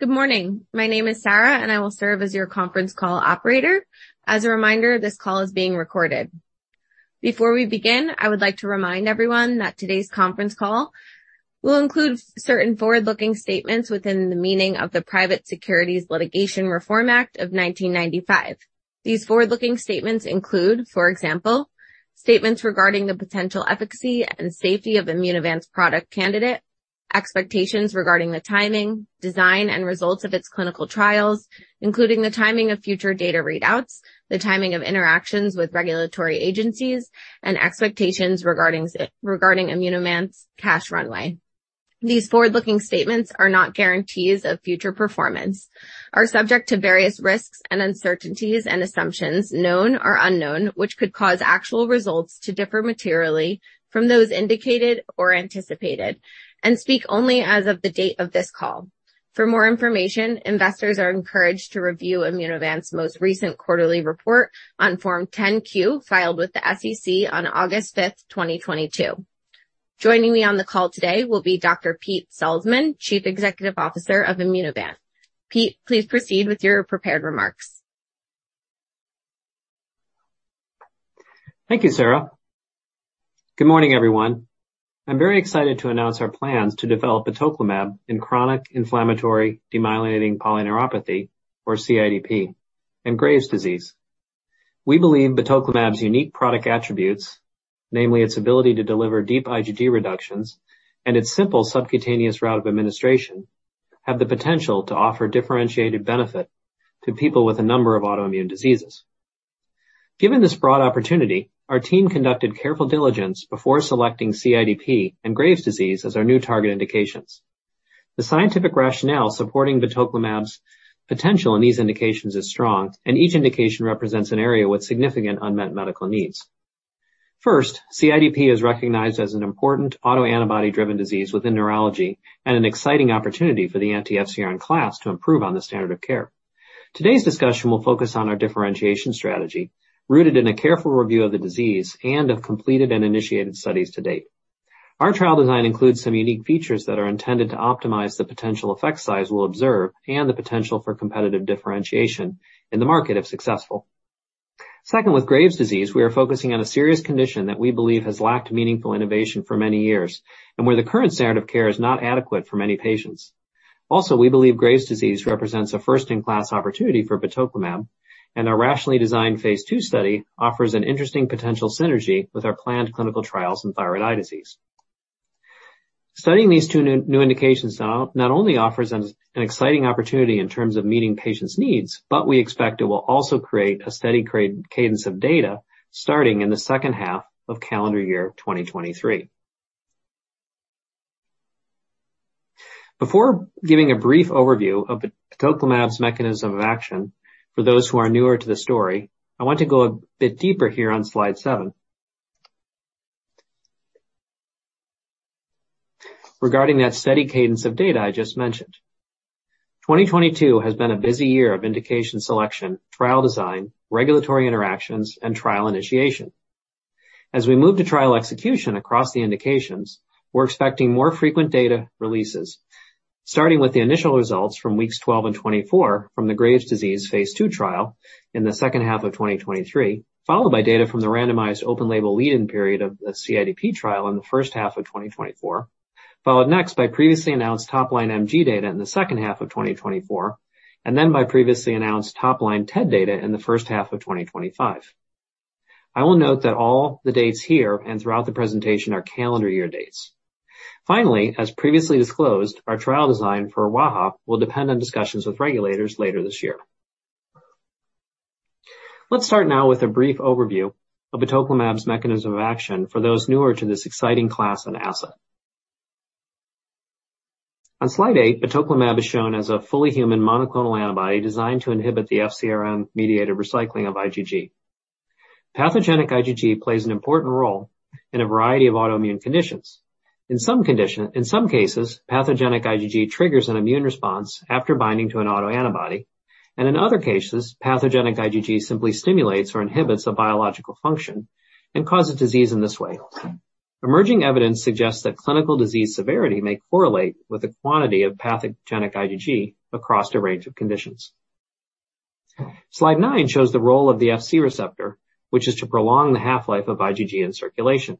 Good morning. My name is Sarah, and I will serve as your conference call operator. As a reminder, this call is being recorded. Before we begin, I would like to remind everyone that today's conference call will include certain forward-looking statements within the meaning of the Private Securities Litigation Reform Act of 1995. These forward-looking statements include, for example, statements regarding the potential efficacy and safety of Immunovant's product candidate, expectations regarding the timing, design, and results of its clinical trials, including the timing of future data readouts, the timing of interactions with regulatory agencies, and expectations regarding Immunovant's cash runway. These forward-looking statements are not guarantees of future performance, are subject to various risks and uncertainties and assumptions, known or unknown, which could cause actual results to differ materially from those indicated or anticipated, and speak only as of the date of this call. For more information, investors are encouraged to review Immunovant's most recent quarterly report on Form 10-Q filed with the SEC on August 5th, 2022. Joining me on the call today will be Dr. Pete Salzmann, Chief Executive Officer of Immunovant. Pete, please proceed with your prepared remarks. Thank you, Sarah. Good morning, everyone. I'm very excited to announce our plans to develop batoclimab in chronic inflammatory demyelinating polyneuropathy, or CIDP, and Graves' disease. We believe batoclimab's unique product attributes, namely its ability to deliver deep IgG reductions and its simple subcutaneous route of administration, have the potential to offer differentiated benefit to people with a number of autoimmune diseases. Given this broad opportunity, our team conducted careful diligence before selecting CIDP and Graves' disease as our new target indications. The scientific rationale supporting batoclimab's potential in these indications is strong, and each indication represents an area with significant unmet medical needs. First, CIDP is recognized as an important autoantibody-driven disease within neurology and an exciting opportunity for the anti-FcRn class to improve on the standard of care. Today's discussion will focus on our differentiation strategy, rooted in a careful review of the disease and of completed and initiated studies to date. Our trial design includes some unique features that are intended to optimize the potential effect size we'll observe and the potential for competitive differentiation in the market if successful. Second, with Graves' disease, we are focusing on a serious condition that we believe has lacked meaningful innovation for many years and where the current standard of care is not adequate for many patients. Also, we believe Graves' disease represents a first-in-class opportunity for batoclimab, and our rationally designed phase II study offers an interesting potential synergy with our planned clinical trials in thyroid eye disease. Studying these two new indications now not only offers us an exciting opportunity in terms of meeting patients' needs, but we expect it will also create a steady cadence of data starting in the H2 of calendar year 2023. Before giving a brief overview of batoclimab's mechanism of action for those who are newer to the story, I want to go a bit deeper here on slide seven. Regarding that steady cadence of data I just mentioned. 2022 has been a busy year of indication selection, trial design, regulatory interactions, and trial initiation. As we move to trial execution across the indications, we're expecting more frequent data releases, starting with the initial results from weeks 12 and 24 from the Graves' disease phase II trial in the H2 of 2023, followed by data from the randomized open-label lead-in period of the CIDP trial in the H1 of 2024, followed next by previously announced top-line MG data in the H2 of 2024, and then by previously announced top-line TED data in the H1 of 2025. I will note that all the dates here and throughout the presentation are calendar year dates. Finally, as previously disclosed, our trial design for wAIHA will depend on discussions with regulators later this year. Let's start now with a brief overview of batoclimab's mechanism of action for those newer to this exciting class and asset. On slide eight, batoclimab is shown as a fully human monoclonal antibody designed to inhibit the FcRn-mediated recycling of IgG. Pathogenic IgG plays an important role in a variety of autoimmune conditions. In some cases, pathogenic IgG triggers an immune response after binding to an autoantibody, and in other cases, pathogenic IgG simply stimulates or inhibits a biological function and causes disease in this way. Emerging evidence suggests that clinical disease severity may correlate with the quantity of pathogenic IgG across a range of conditions. Slide nine shows the role of the Fc receptor, which is to prolong the half-life of IgG in circulation.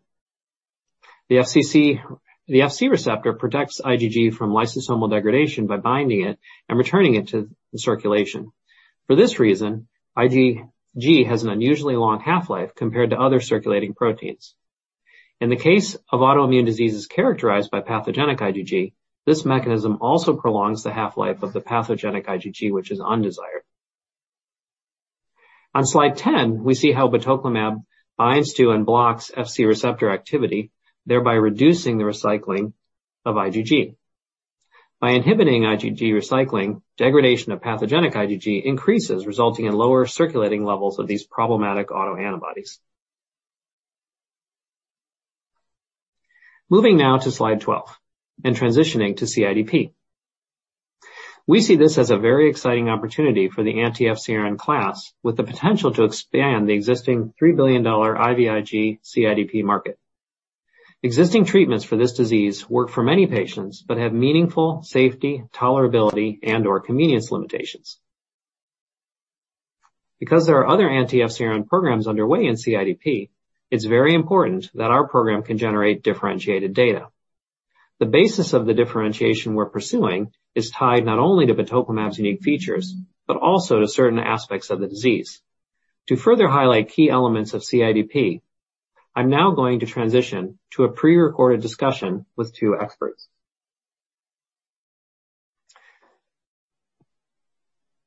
The Fc receptor protects IgG from lysosomal degradation by binding it and returning it to circulation. For this reason, IgG has an unusually long half-life compared to other circulating proteins. In the case of autoimmune diseases characterized by pathogenic IgG, this mechanism also prolongs the half-life of the pathogenic IgG, which is undesired. On slide 10, we see how batoclimab binds to and blocks FcRn activity, thereby reducing the recycling of IgG. By inhibiting IgG recycling, degradation of pathogenic IgG increases, resulting in lower circulating levels of these problematic autoantibodies. Moving now to slide 12 and transitioning to CIDP. We see this as a very exciting opportunity for the anti-FcRn class, with the potential to expand the existing $3 billion IVIG CIDP market. Existing treatments for this disease work for many patients but have meaningful safety, tolerability, and/or convenience limitations. Because there are other anti-FcRn programs underway in CIDP, it's very important that our program can generate differentiated data. The basis of the differentiation we're pursuing is tied not only to batoclimab's unique features but also to certain aspects of the disease. To further highlight key elements of CIDP, I'm now going to transition to a pre-recorded discussion with two experts.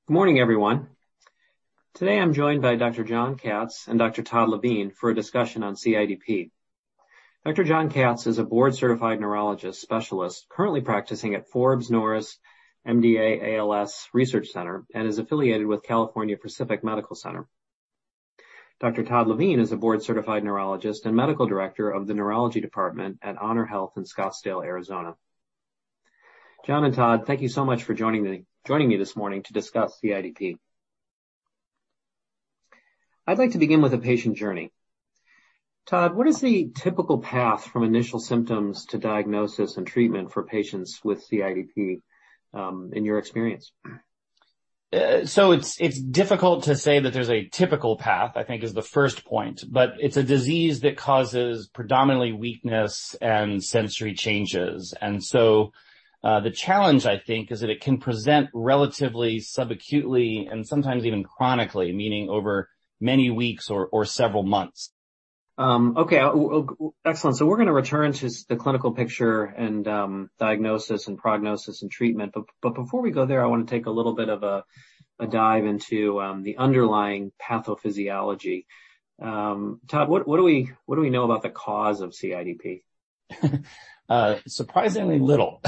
Good morning, everyone. Today, I'm joined by Dr. John Katz and Dr. Todd Levine for a discussion on CIDP. Dr. John Katz is a board-certified neurologist specialist currently practicing at Forbes Norris MDA/ALS Research and Treatment Center and is affiliated with California Pacific Medical Center. Dr. Todd Levine is a board-certified neurologist and medical director of the neurology department at HonorHealth in Scottsdale, Arizona. John and Todd, thank you so much for joining me this morning to discuss CIDP. I'd like to begin with a patient journey. Todd, what is the typical path from initial symptoms to diagnosis and treatment for patients with CIDP, in your experience? It's difficult to say that there's a typical path, I think, is the first point. It's a disease that causes predominantly weakness and sensory changes. The challenge, I think, is that it can present relatively sub-acutely and sometimes even chronically, meaning over many weeks or several months. Okay. Well, excellent. We're going to return to the clinical picture and diagnosis and prognosis and treatment. Before we go there, I wanna take a little bit of a dive into the underlying pathophysiology. Todd, what do we know about the cause of CIDP? Surprisingly little.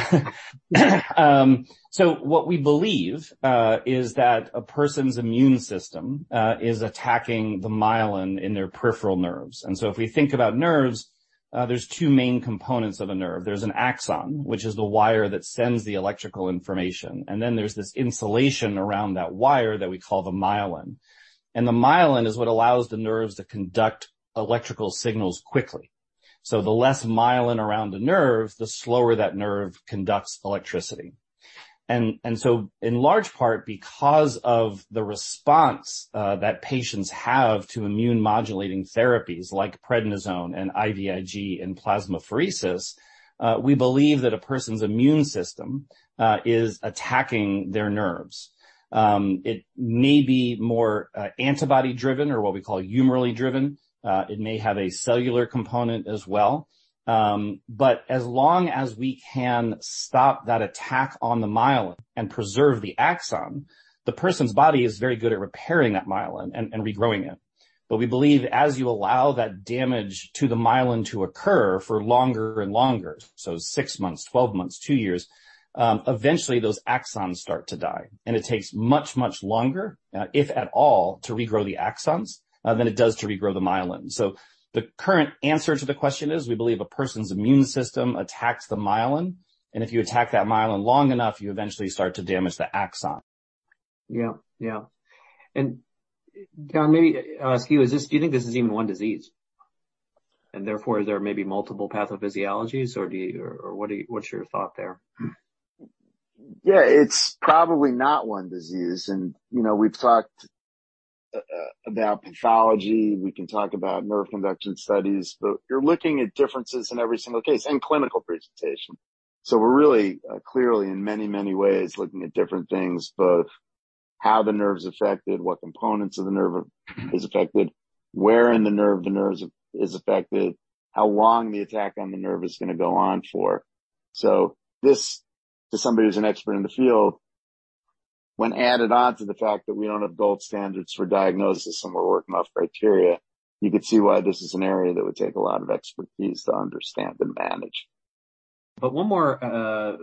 What we believe is that a person's immune system is attacking the myelin in their peripheral nerves. If we think about nerves, there are two main components of a nerve. There is an axon, which is the wire that sends the electrical information, and then there is this insulation around that wire that we call the myelin. The myelin is what allows the nerves to conduct electrical signals quickly. The less myelin around the nerve, the slower that nerve conducts electricity. In large part, because of the response that patients have to immune modulating therapies like prednisone and IVIG and plasmapheresis, we believe that a person's immune system is attacking their nerves. It may be more antibody-driven or what we call humoral driven. It may have a cellular component as well. As long as we can stop that attack on the myelin and preserve the axon, the person's body is very good at repairing that myelin and regrowing it. We believe as you allow that damage to the myelin to occur for longer and longer, so six months, 12 months, two years, eventually those axons start to die. It takes much, much longer, if at all, to regrow the axons, than it does to regrow the myelin. The current answer to the question is, we believe a person's immune system attacks the myelin, and if you attack that myelin long enough, you eventually start to damage the axon. Yeah. Yeah. John, maybe ask you, do you think this is even one disease? Therefore, is there maybe multiple pathophysiologies? Or, what's your thought there? Yeah, it's probably not one disease. You know, we've talked about pathology. We can talk about nerve conduction studies. You're looking at differences in every single case and clinical presentation. We're really clearly in many, many ways looking at different things, both how the nerve is affected, what components of the nerve are, is affected, where in the nerve the nerves is affected, how long the attack on the nerve is gonna go on for. This, to somebody who's an expert in the field, when added on to the fact that we don't have gold standards for diagnosis and we're working off criteria, you could see why this is an area that would take a lot of expertise to understand and manage. One more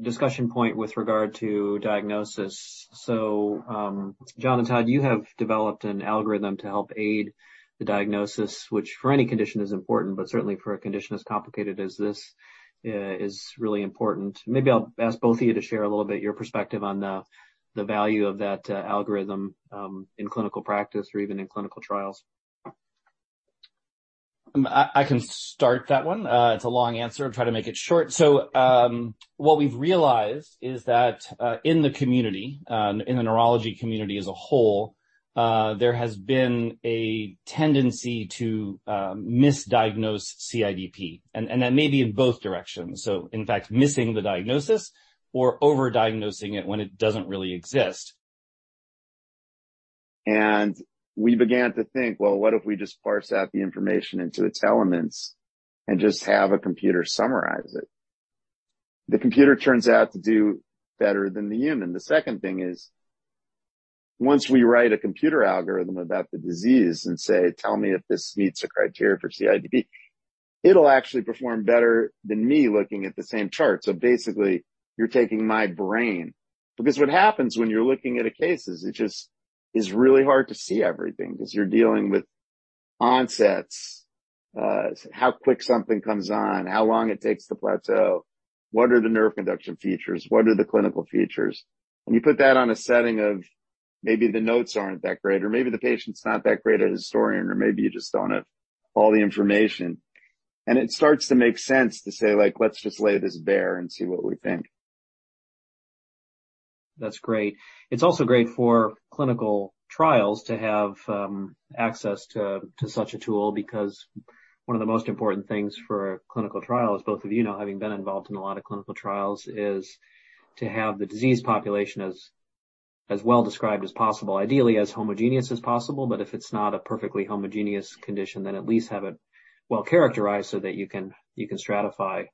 discussion point with regard to diagnosis. John and Todd, you have developed an algorithm to help aid the diagnosis, which for any condition is important, but certainly for a condition as complicated as this, is really important. Maybe I'll ask both of you to share a little bit your perspective on the value of that algorithm in clinical practice or even in clinical trials. I can start that one. It's a long answer. I'll try to make it short. What we've realized is that in the community, in the neurology community as a whole, there has been a tendency to misdiagnose CIDP, and that may be in both directions. In fact, missing the diagnosis or over-diagnosing it when it doesn't really exist. We began to think, well, what if we just parse out the information into its elements and just have a computer summarize it? The computer turns out to do better than the human. The second thing is, once we write a computer algorithm about the disease and say, "Tell me if this meets the criteria for CIDP," it'll actually perform better than me looking at the same chart. Basically, you're taking my brain. Because what happens when you're looking at a case is it just is really hard to see everything because you're dealing with onsets, how quick something comes on, how long it takes to plateau, what are the nerve conduction features, what are the clinical features? When you put that on a setting of. Maybe the notes aren't that great, or maybe the patient's not that great a historian, or maybe you just don't have all the information. It starts to make sense to say, like, "Let's just lay this bare and see what we think. That's great. It's also great for clinical trials to have access to such a tool, because one of the most important things for clinical trials, both of you know, having been involved in a lot of clinical trials, is to have the disease population as well described as possible. Ideally, as homogeneous as possible, but if it's not a perfectly homogeneous condition, then at least have it well-characterized so that you can stratify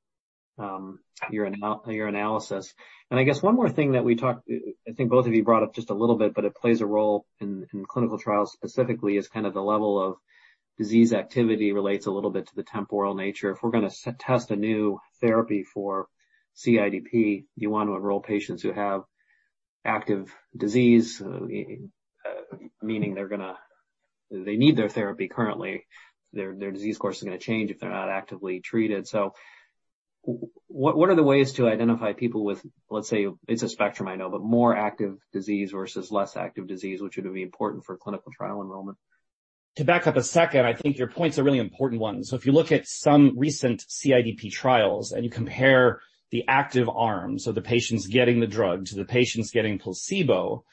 your analysis. I guess one more thing that we talked, I think both of you brought up just a little bit, but it plays a role in clinical trials specifically, is kind of the level of disease activity relates a little bit to the temporal nature. If we're gonna test a new therapy for CIDP, you want to enroll patients who have active disease, meaning they need their therapy currently. Their disease course is gonna change if they're not actively treated. What are the ways to identify people with, let's say, it's a spectrum I know, but more active disease versus less active disease, which would be important for clinical trial enrollment? To back up a second, I think your points are really important ones. If you look at some recent CIDP trials and you compare the active arms of the patients getting the drug to the patients getting placebo,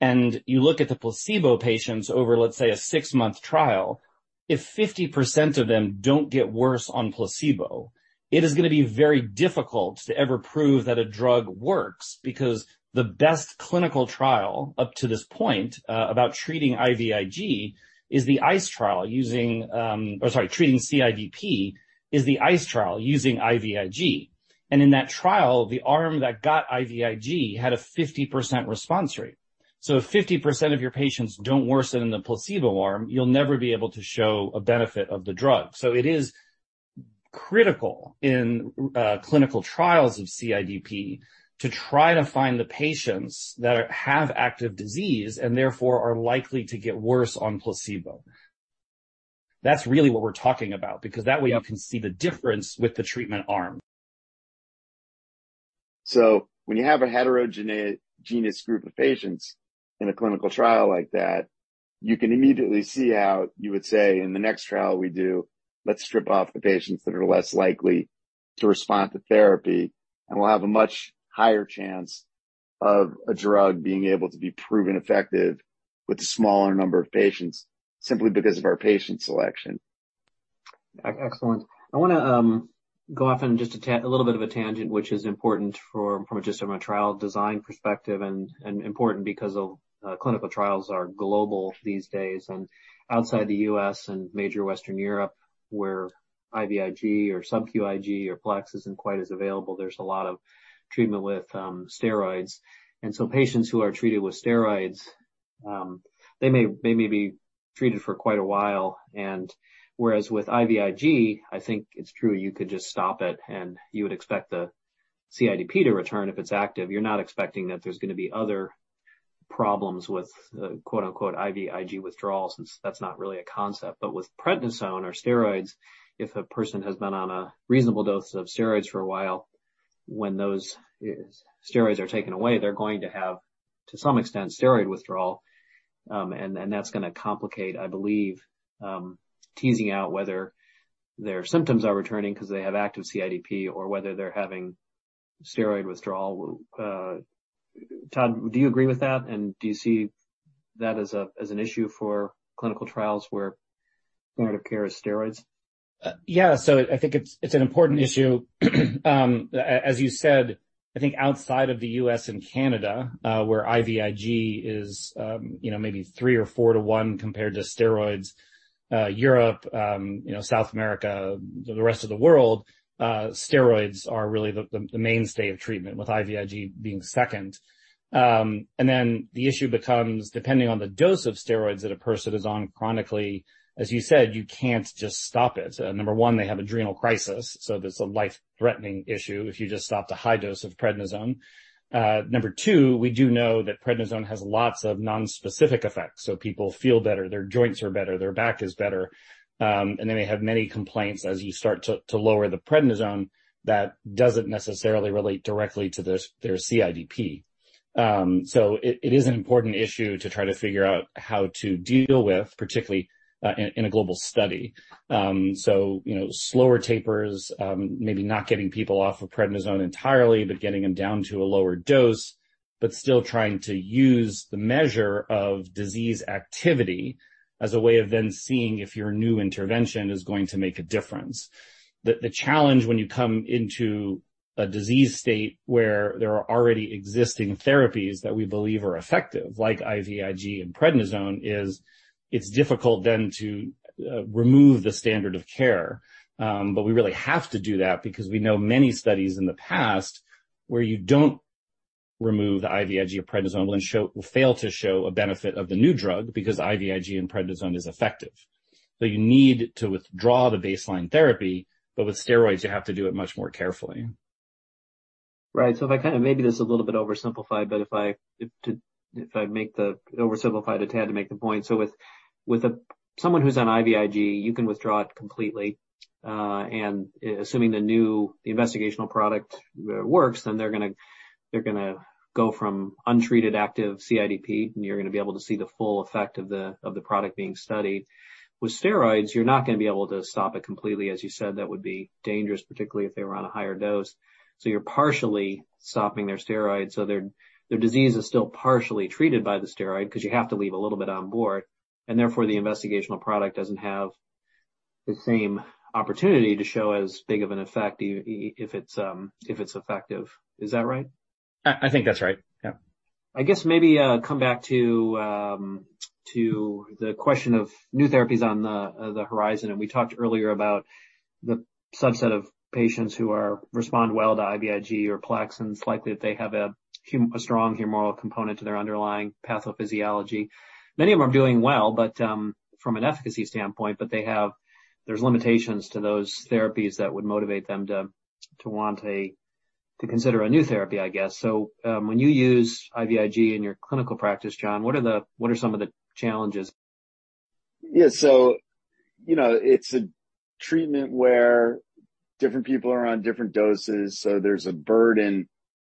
and you look at the placebo patients over, let's say, a six-month trial, if 50% of them don't get worse on placebo, it is gonna be very difficult to ever prove that a drug works because the best clinical trial up to this point, about treating CIDP is the ICE trial using IVIG. In that trial, the arm that got IVIG had a 50% response rate. If 50% of your patients don't worsen in the placebo arm, you'll never be able to show a benefit of the drug. It is critical in clinical trials of CIDP to try to find the patients that have active disease and therefore are likely to get worse on placebo. That's really what we're talking about, because that way you can see the difference with the treatment arm. When you have a heterogeneous group of patients in a clinical trial like that, you can immediately see how you would say, in the next trial we do, let's strip off the patients that are less likely to respond to therapy, and we'll have a much higher chance of a drug being able to be proven effective with a smaller number of patients simply because of our patient selection. Excellent. I wanna go off on just a little bit of a tangent, which is important from a trial design perspective and important because clinical trials are global these days. Outside the U.S. and major Western Europe, where IVIG or SCIg or PLEX isn't quite as available, there's a lot of treatment with steroids. Patients who are treated with steroids they may be treated for quite a while. Whereas with IVIG, I think it's true you could just stop it and you would expect the CIDP to return if it's active. You're not expecting that there's gonna be other problems with, quote-unquote, "IVIG withdrawal," since that's not really a concept. With prednisone or steroids, if a person has been on a reasonable dose of steroids for a while, when those steroids are taken away, they're going to have, to some extent, steroid withdrawal, and that's gonna complicate, I believe, teasing out whether their symptoms are returning 'cause they have active CIDP or whether they're having steroid withdrawal. Todd, do you agree with that, and do you see that as an issue for clinical trials where standard of care is steroids? I think it's an important issue. As you said, I think outside of the U.S. and Canada, where IVIG is, you know, maybe thee or four to one compared to steroids, Europe, you know, South America, the rest of the world, steroids are really the mainstay of treatment, with IVIG being second. The issue becomes, depending on the dose of steroids that a person is on chronically, as you said, you can't just stop it. Number one, they have adrenal crisis, so there's a life-threatening issue if you just stop the high dose of prednisone. Number two, we do know that prednisone has lots of nonspecific effects. People feel better, their joints are better, their back is better, and they may have many complaints as you start to lower the prednisone that doesn't necessarily relate directly to their CIDP. It is an important issue to try to figure out how to deal with, particularly in a global study. You know, slower tapers, maybe not getting people off of prednisone entirely, but getting them down to a lower dose, but still trying to use the measure of disease activity as a way of then seeing if your new intervention is going to make a difference. The challenge when you come into a disease state where there are already existing therapies that we believe are effective, like IVIG and prednisone, is it's difficult then to remove the standard of care. We really have to do that because we know many studies in the past where you don't remove the IVIG or prednisone will fail to show a benefit of the new drug because IVIG and prednisone is effective. You need to withdraw the baseline therapy, but with steroids, you have to do it much more carefully. Right. Maybe this is a little bit oversimplified, but if I oversimplify it to make the point. With someone who's on IVIG, you can withdraw it completely. Assuming the new investigational product works, then they're gonna go from untreated active CIDP, and you're gonna be able to see the full effect of the product being studied. With steroids, you're not gonna be able to stop it completely. As you said, that would be dangerous, particularly if they were on a higher dose. You're partially stopping their steroids. Their disease is still partially treated by the steroid because you have to leave a little bit on board, and therefore the investigational product doesn't have the same opportunity to show as big of an effect if it's effective. Is that right? I think that's right. Yeah. I guess maybe come back to the question of new therapies on the horizon. We talked earlier about the subset of patients who respond well to IVIG or PLEX, it's likely that they have a strong humoral component to their underlying pathophysiology. Many of them are doing well, but from an efficacy standpoint. There's limitations to those therapies that would motivate them to want to consider a new therapy, I guess. When you use IVIG in your clinical practice, John, what are some of the challenges? Yeah. You know, it's a treatment where different people are on different doses, so there's a burden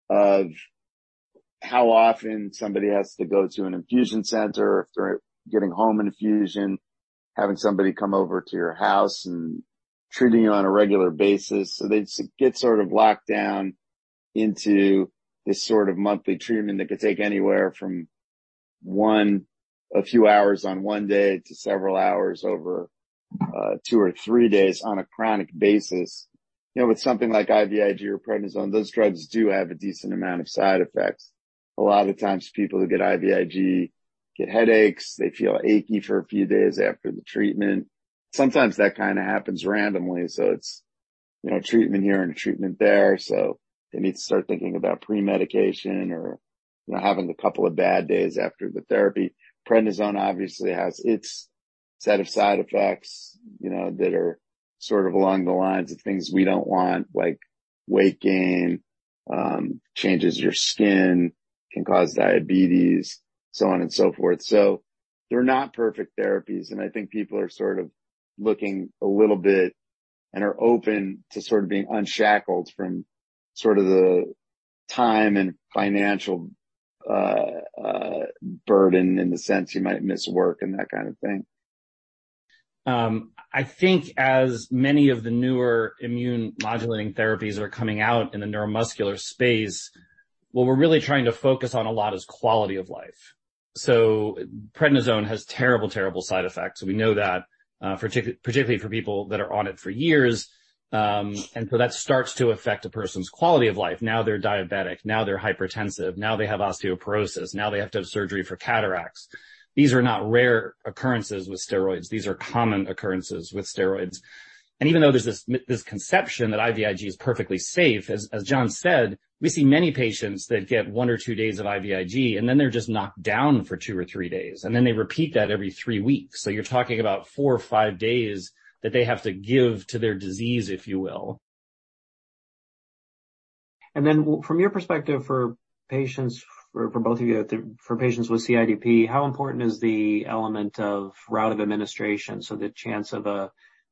of how often somebody has to go to an infusion center if they're getting home infusion, having somebody come over to your house and treating you on a regular basis. They get sort of locked down into this sort of monthly treatment that could take anywhere from one, a few hours on one day to several hours over two or three days on a chronic basis. You know, with something like IVIG or prednisone, those drugs do have a decent amount of side effects. A lot of the times people who get IVIG get headaches, they feel achy for a few days after the treatment. Sometimes that kind of happens randomly, so it's, you know, a treatment here and a treatment there. They need to start thinking about pre-medication or, you know, having a couple of bad days after the therapy. Prednisone obviously has its set of side effects, you know, that are sort of along the lines of things we don't want, like weight gain, changes your skin, can cause diabetes, so on and so forth. They're not perfect therapies, and I think people are sort of looking a little bit and are open to sort of being unshackled from sort of the time and financial burden in the sense you might miss work and that kind of thing. I think as many of the newer immune modulating therapies are coming out in the neuromuscular space, what we're really trying to focus on a lot is quality of life. Prednisone has terrible side effects. We know that, particularly for people that are on it for years. That starts to affect a person's quality of life. Now they're diabetic, now they're hypertensive, now they have osteoporosis, now they have to have surgery for cataracts. These are not rare occurrences with steroids. These are common occurrences with steroids. Even though there's this conception that IVIG is perfectly safe, as John said, we see many patients that get one or two days of IVIG, and then they're just knocked down for two or three days, and then they repeat that every three weeks. You're talking about four or five days that they have to give to their disease, if you will. From your perspective for patients, for both of you, for patients with CIDP, how important is the element of route of administration? The chance of an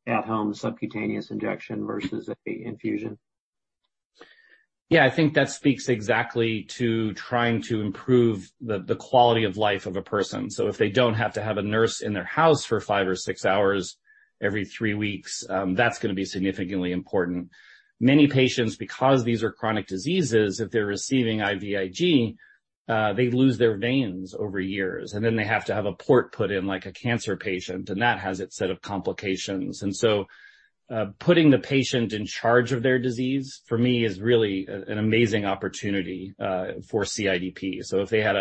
at-home subcutaneous injection versus an infusion? Yeah. I think that speaks exactly to trying to improve the quality of life of a person. If they don't have to have a nurse in their house for five hours or six hours every three weeks, that's gonna be significantly important. Many patients, because these are chronic diseases, if they're receiving IVIG, they lose their veins over years, and then they have to have a port put in like a cancer patient, and that has its set of complications. Putting the patient in charge of their disease, for me is really an amazing opportunity, for CIDP. If they had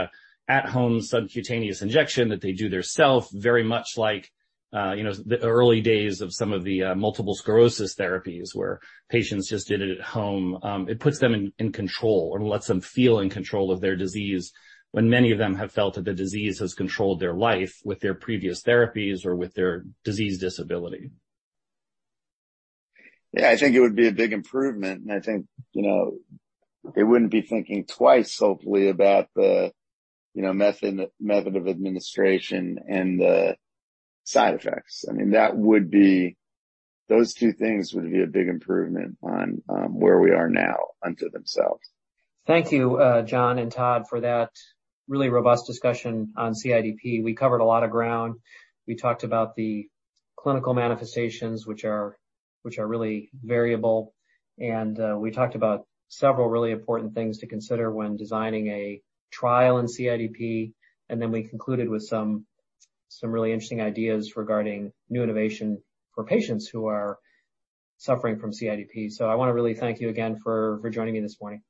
at-home subcutaneous injection that they do themselves, very much like, you know, the early days of some of the, multiple sclerosis therapies where patients just did it at home, it puts them in control or lets them feel in control of their disease when many of them have felt that the disease has controlled their life with their previous therapies or with their disease disability. Yeah, I think it would be a big improvement, and I think, you know, they wouldn't be thinking twice, hopefully, about the, you know, method of administration and the side effects. I mean, those two things would be a big improvement on where we are now unto themselves. Thank you, John and Todd, for that really robust discussion on CIDP. We covered a lot of ground. We talked about the clinical manifestations, which are really variable, and we talked about several really important things to consider when designing a trial in CIDP. Then we concluded with some really interesting ideas regarding new innovation for patients who are suffering from CIDP. I wanna really thank you again for joining me this morning.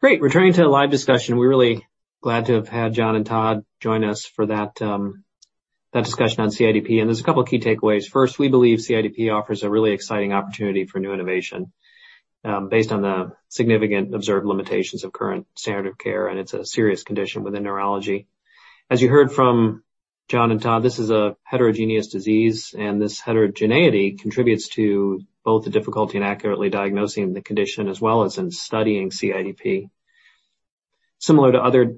Great. Returning to the live discussion. We're really glad to have had John and Todd join us for that discussion on CIDP. There's a couple of key takeaways. First, we believe CIDP offers a really exciting opportunity for new innovation based on the significant observed limitations of current standard of care, and it's a serious condition within neurology. As you heard from John and Todd, this is a heterogeneous disease, and this heterogeneity contributes to both the difficulty in accurately diagnosing the condition as well as in studying CIDP. Similar to other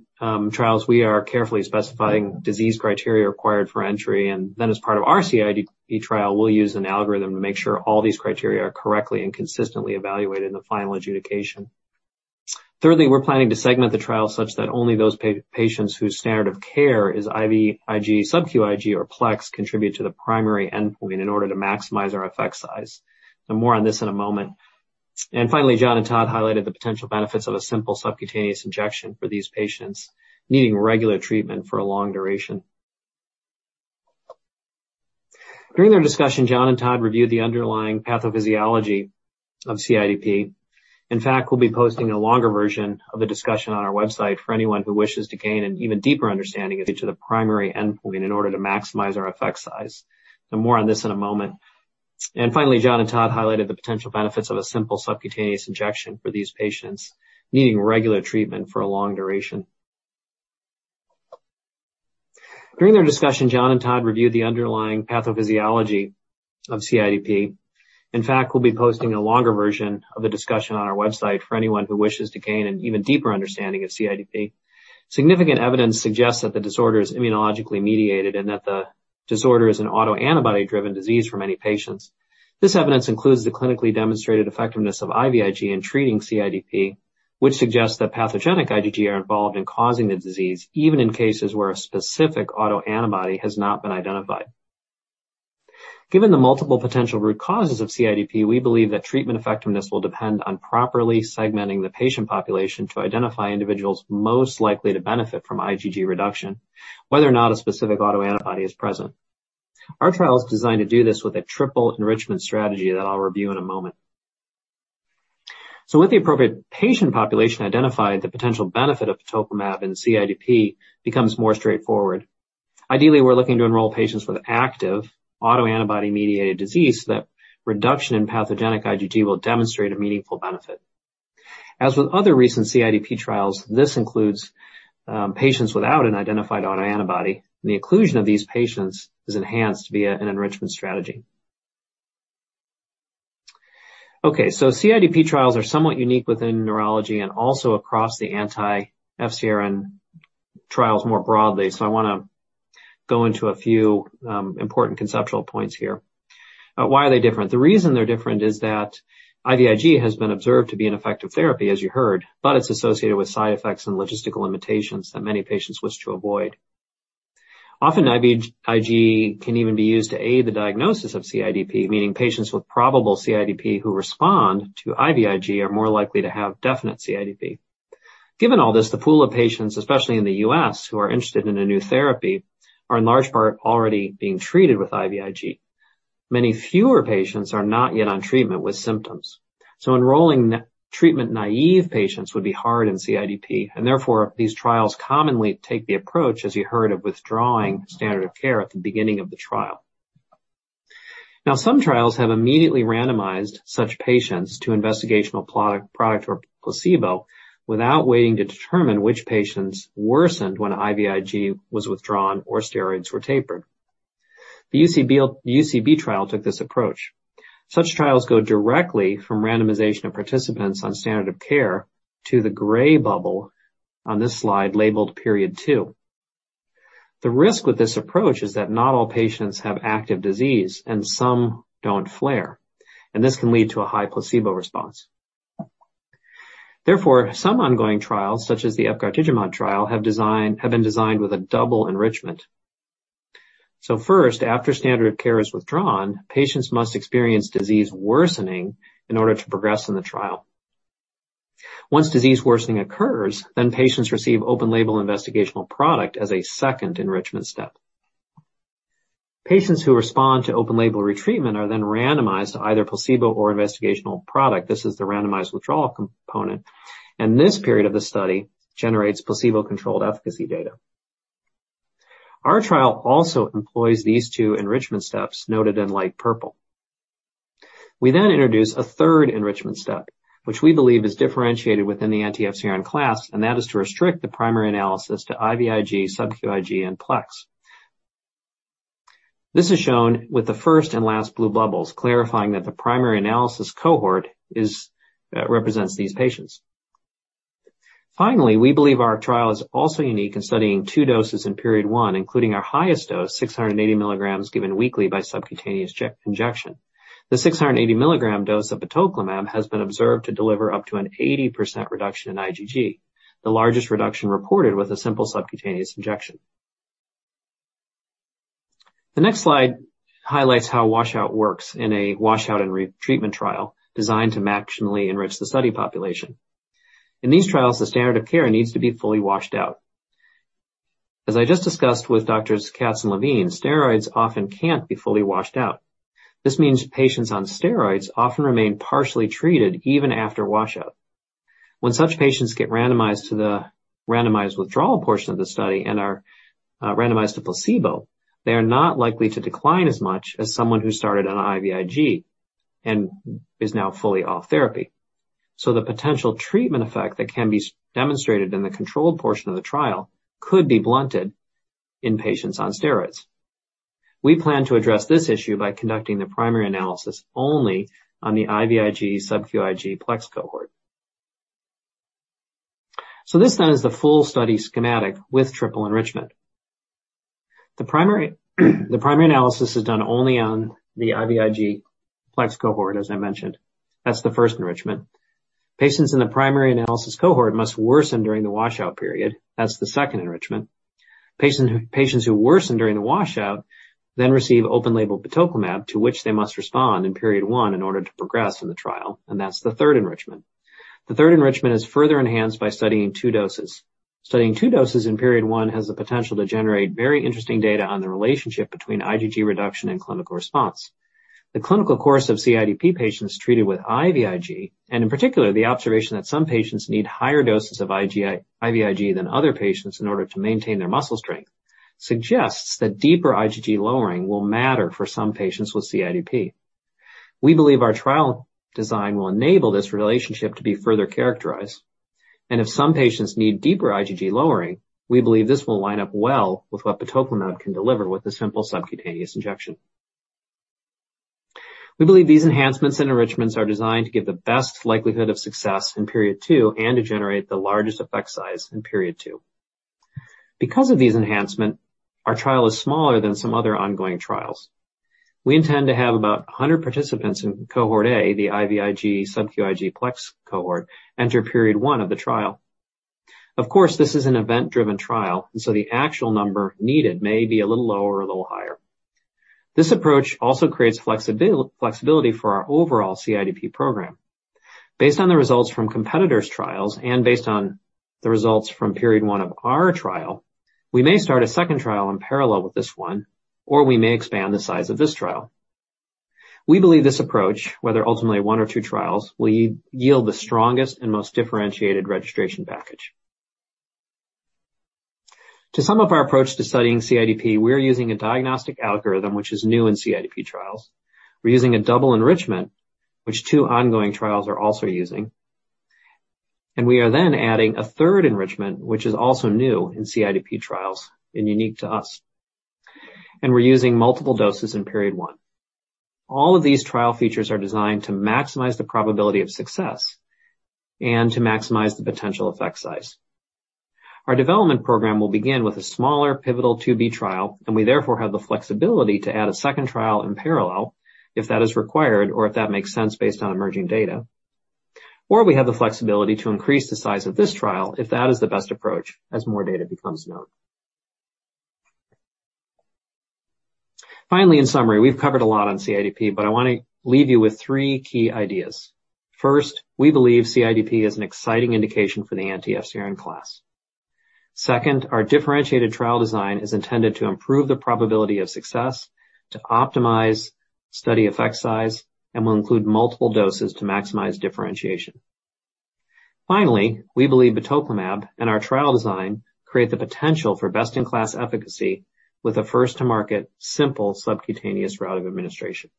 trials, we are carefully specifying disease criteria required for entry. Then, as part of our CIDP trial, we'll use an algorithm to make sure all these criteria are correctly and consistently evaluated in the final adjudication. Thirdly, we're planning to segment the trial such that only those patients whose standard of care is IVIG, SCIg, or PLEX contribute to the primary endpoint in order to maximize our effect size. More on this in a moment. Finally, John and Todd highlighted the potential benefits of a simple subcutaneous injection for these patients needing regular treatment for a long duration. During their discussion, John and Todd reviewed the underlying pathophysiology of CIDP. In fact, we'll be posting a longer version of the discussion on our website for anyone who wishes to gain an even deeper understanding of each of the primary endpoint in order to maximize our effect size. More on this in a moment. Finally, John and Todd highlighted the potential benefits of a simple subcutaneous injection for these patients needing regular treatment for a long duration. During their discussion, John and Todd reviewed the underlying pathophysiology of CIDP. In fact, we'll be posting a longer version of the discussion on our website for anyone who wishes to gain an even deeper understanding of CIDP. Significant evidence suggests that the disorder is immunologically mediated and that the disorder is an autoantibody-driven disease for many patients. This evidence includes the clinically demonstrated effectiveness of IVIG in treating CIDP, which suggests that pathogenic IgG are involved in causing the disease, even in cases where a specific autoantibody has not been identified. Given the multiple potential root causes of CIDP, we believe that treatment effectiveness will depend on properly segmenting the patient population to identify individuals most likely to benefit from IgG reduction, whether or not a specific autoantibody is present. Our trial is designed to do this with a triple enrichment strategy that I'll review in a moment. With the appropriate patient population identified, the potential benefit of batoclimab in CIDP becomes more straightforward. Ideally, we're looking to enroll patients with active autoantibody-mediated disease that reduction in pathogenic IgG will demonstrate a meaningful benefit. As with other recent CIDP trials, this includes, patients without an identified autoantibody. The inclusion of these patients is enhanced via an enrichment strategy. CIDP trials are somewhat unique within neurology and also across the anti-FcRn trials more broadly. Okay, I want to go into a few important conceptual points here. Why are they different? The reason they're different is that IVIG has been observed to be an effective therapy, as you heard, but it's associated with side effects and logistical limitations that many patients wish to avoid. Often, IVIG can even be used to aid the diagnosis of CIDP, meaning patients with probable CIDP who respond to IVIG are more likely to have definite CIDP. Given all this, the pool of patients, especially in the U.S., who are interested in a new therapy, are in large part already being treated with IVIG. Many fewer patients are not yet on treatment with symptoms. Enrolling treatment-naive patients would be hard in CIDP, and therefore, these trials commonly take the approach, as you heard, of withdrawing standard of care at the beginning of the trial. Now, some trials have immediately randomized such patients to investigational product or placebo without waiting to determine which patients worsened when IVIG was withdrawn or steroids were tapered. The UCB trial took this approach. Such trials go directly from randomization of participants on standard of care to the gray bubble on this slide labeled Period Two. The risk with this approach is that not all patients have active disease and some don't flare, and this can lead to a high placebo response. Therefore, some ongoing trials, such as the efgartigimod trial, have been designed with a double enrichment. First, after standard of care is withdrawn, patients must experience disease worsening in order to progress in the trial. Once disease worsening occurs, patients receive open-label investigational product as a second enrichment step. Patients who respond to open-label retreatment are then randomized to either placebo or investigational product. This is the randomized withdrawal component, and this period of the study generates placebo-controlled efficacy data. Our trial also employs these two enrichment steps noted in light purple. We then introduce a third enrichment step, which we believe is differentiated within the anti-FcRn class, and that is to restrict the primary analysis to IVIG, SCIg, and PLEX. This is shown with the first and last blue bubbles, clarifying that the primary analysis cohort is, represents these patients. Finally, we believe our trial is also unique in studying two doses in Period 1, including our highest dose, 680 mg given weekly by subcutaneous injection. The 680 mg dose of batoclimab has been observed to deliver up to an 80% reduction in IgG, the largest reduction reported with a simple subcutaneous injection. The next slide highlights how washout works in a washout and retreatment trial designed to maximally enrich the study population. In these trials, the standard of care needs to be fully washed out. As I just discussed with Doctors Katz and Levine, steroids often can't be fully washed out. This means patients on steroids often remain partially treated even after washout. When such patients get randomized to the randomized withdrawal portion of the study and are randomized to placebo, they are not likely to decline as much as someone who started on IVIG and is now fully off therapy. The potential treatment effect that can be demonstrated in the controlled portion of the trial could be blunted in patients on steroids. We plan to address this issue by conducting the primary analysis only on the IVIG/SCIg PLEX cohort. This then is the full study schematic with triple enrichment. The primary analysis is done only on the IVIG PLEX cohort, as I mentioned. That's the first enrichment. Patients in the primary analysis cohort must worsen during the washout period. That's the second enrichment. Patients who worsen during the washout then receive open-label batoclimab, to which they must respond in period one in order to progress in the trial, and that's the third enrichment. The third enrichment is further enhanced by studying two doses. Studying two doses in period one has the potential to generate very interesting data on the relationship between IgG reduction and clinical response. The clinical course of CIDP patients treated with IVIG, and in particular, the observation that some patients need higher doses of IVIG than other patients in order to maintain their muscle strength, suggests that deeper IgG lowering will matter for some patients with CIDP. We believe our trial design will enable this relationship to be further characterized, and if some patients need deeper IgG lowering, we believe this will line up well with what batoclimab can deliver with a simple subcutaneous injection. We believe these enhancements and enrichments are designed to give the best likelihood of success in period two and to generate the largest effect size in period two. Because of these enhancements, our trial is smaller than some other ongoing trials. We intend to have about 100 participants in cohort A, the IVIG/SCIg PLEX cohort, enter period one of the trial. Of course, this is an event-driven trial, and so the actual number needed may be a little lower or a little higher. This approach also creates flexibility for our overall CIDP program. Based on the results from competitors' trials and based on the results from period one of our trial, we may start a second trial in parallel with this one, or we may expand the size of this trial. We believe this approach, whether ultimately one or two trials, will yield the strongest and most differentiated registration package. To sum up our approach to studying CIDP, we're using a diagnostic algorithm which is new in CIDP trials. We're using a double enrichment, which two ongoing trials are also using. We are then adding a third enrichment, which is also new in CIDP trials and unique to us. We're using multiple doses in period one. All of these trial features are designed to maximize the probability of success and to maximize the potential effect size. Our development program will begin with a smaller pivotal 2B trial, and we therefore have the flexibility to add a second trial in parallel if that is required or if that makes sense based on emerging data. We have the flexibility to increase the size of this trial if that is the best approach as more data becomes known. Finally, in summary, we've covered a lot on CIDP, but I wanna leave you with three key ideas. First, we believe CIDP is an exciting indication for the anti-FcRn class. Second, our differentiated trial design is intended to improve the probability of success, to optimize study effect size, and will include multiple doses to maximize differentiation. Finally, we believe batoclimab and our trial design create the potential for best-in-class efficacy with a first-to-market, simple subcutaneous route of administration.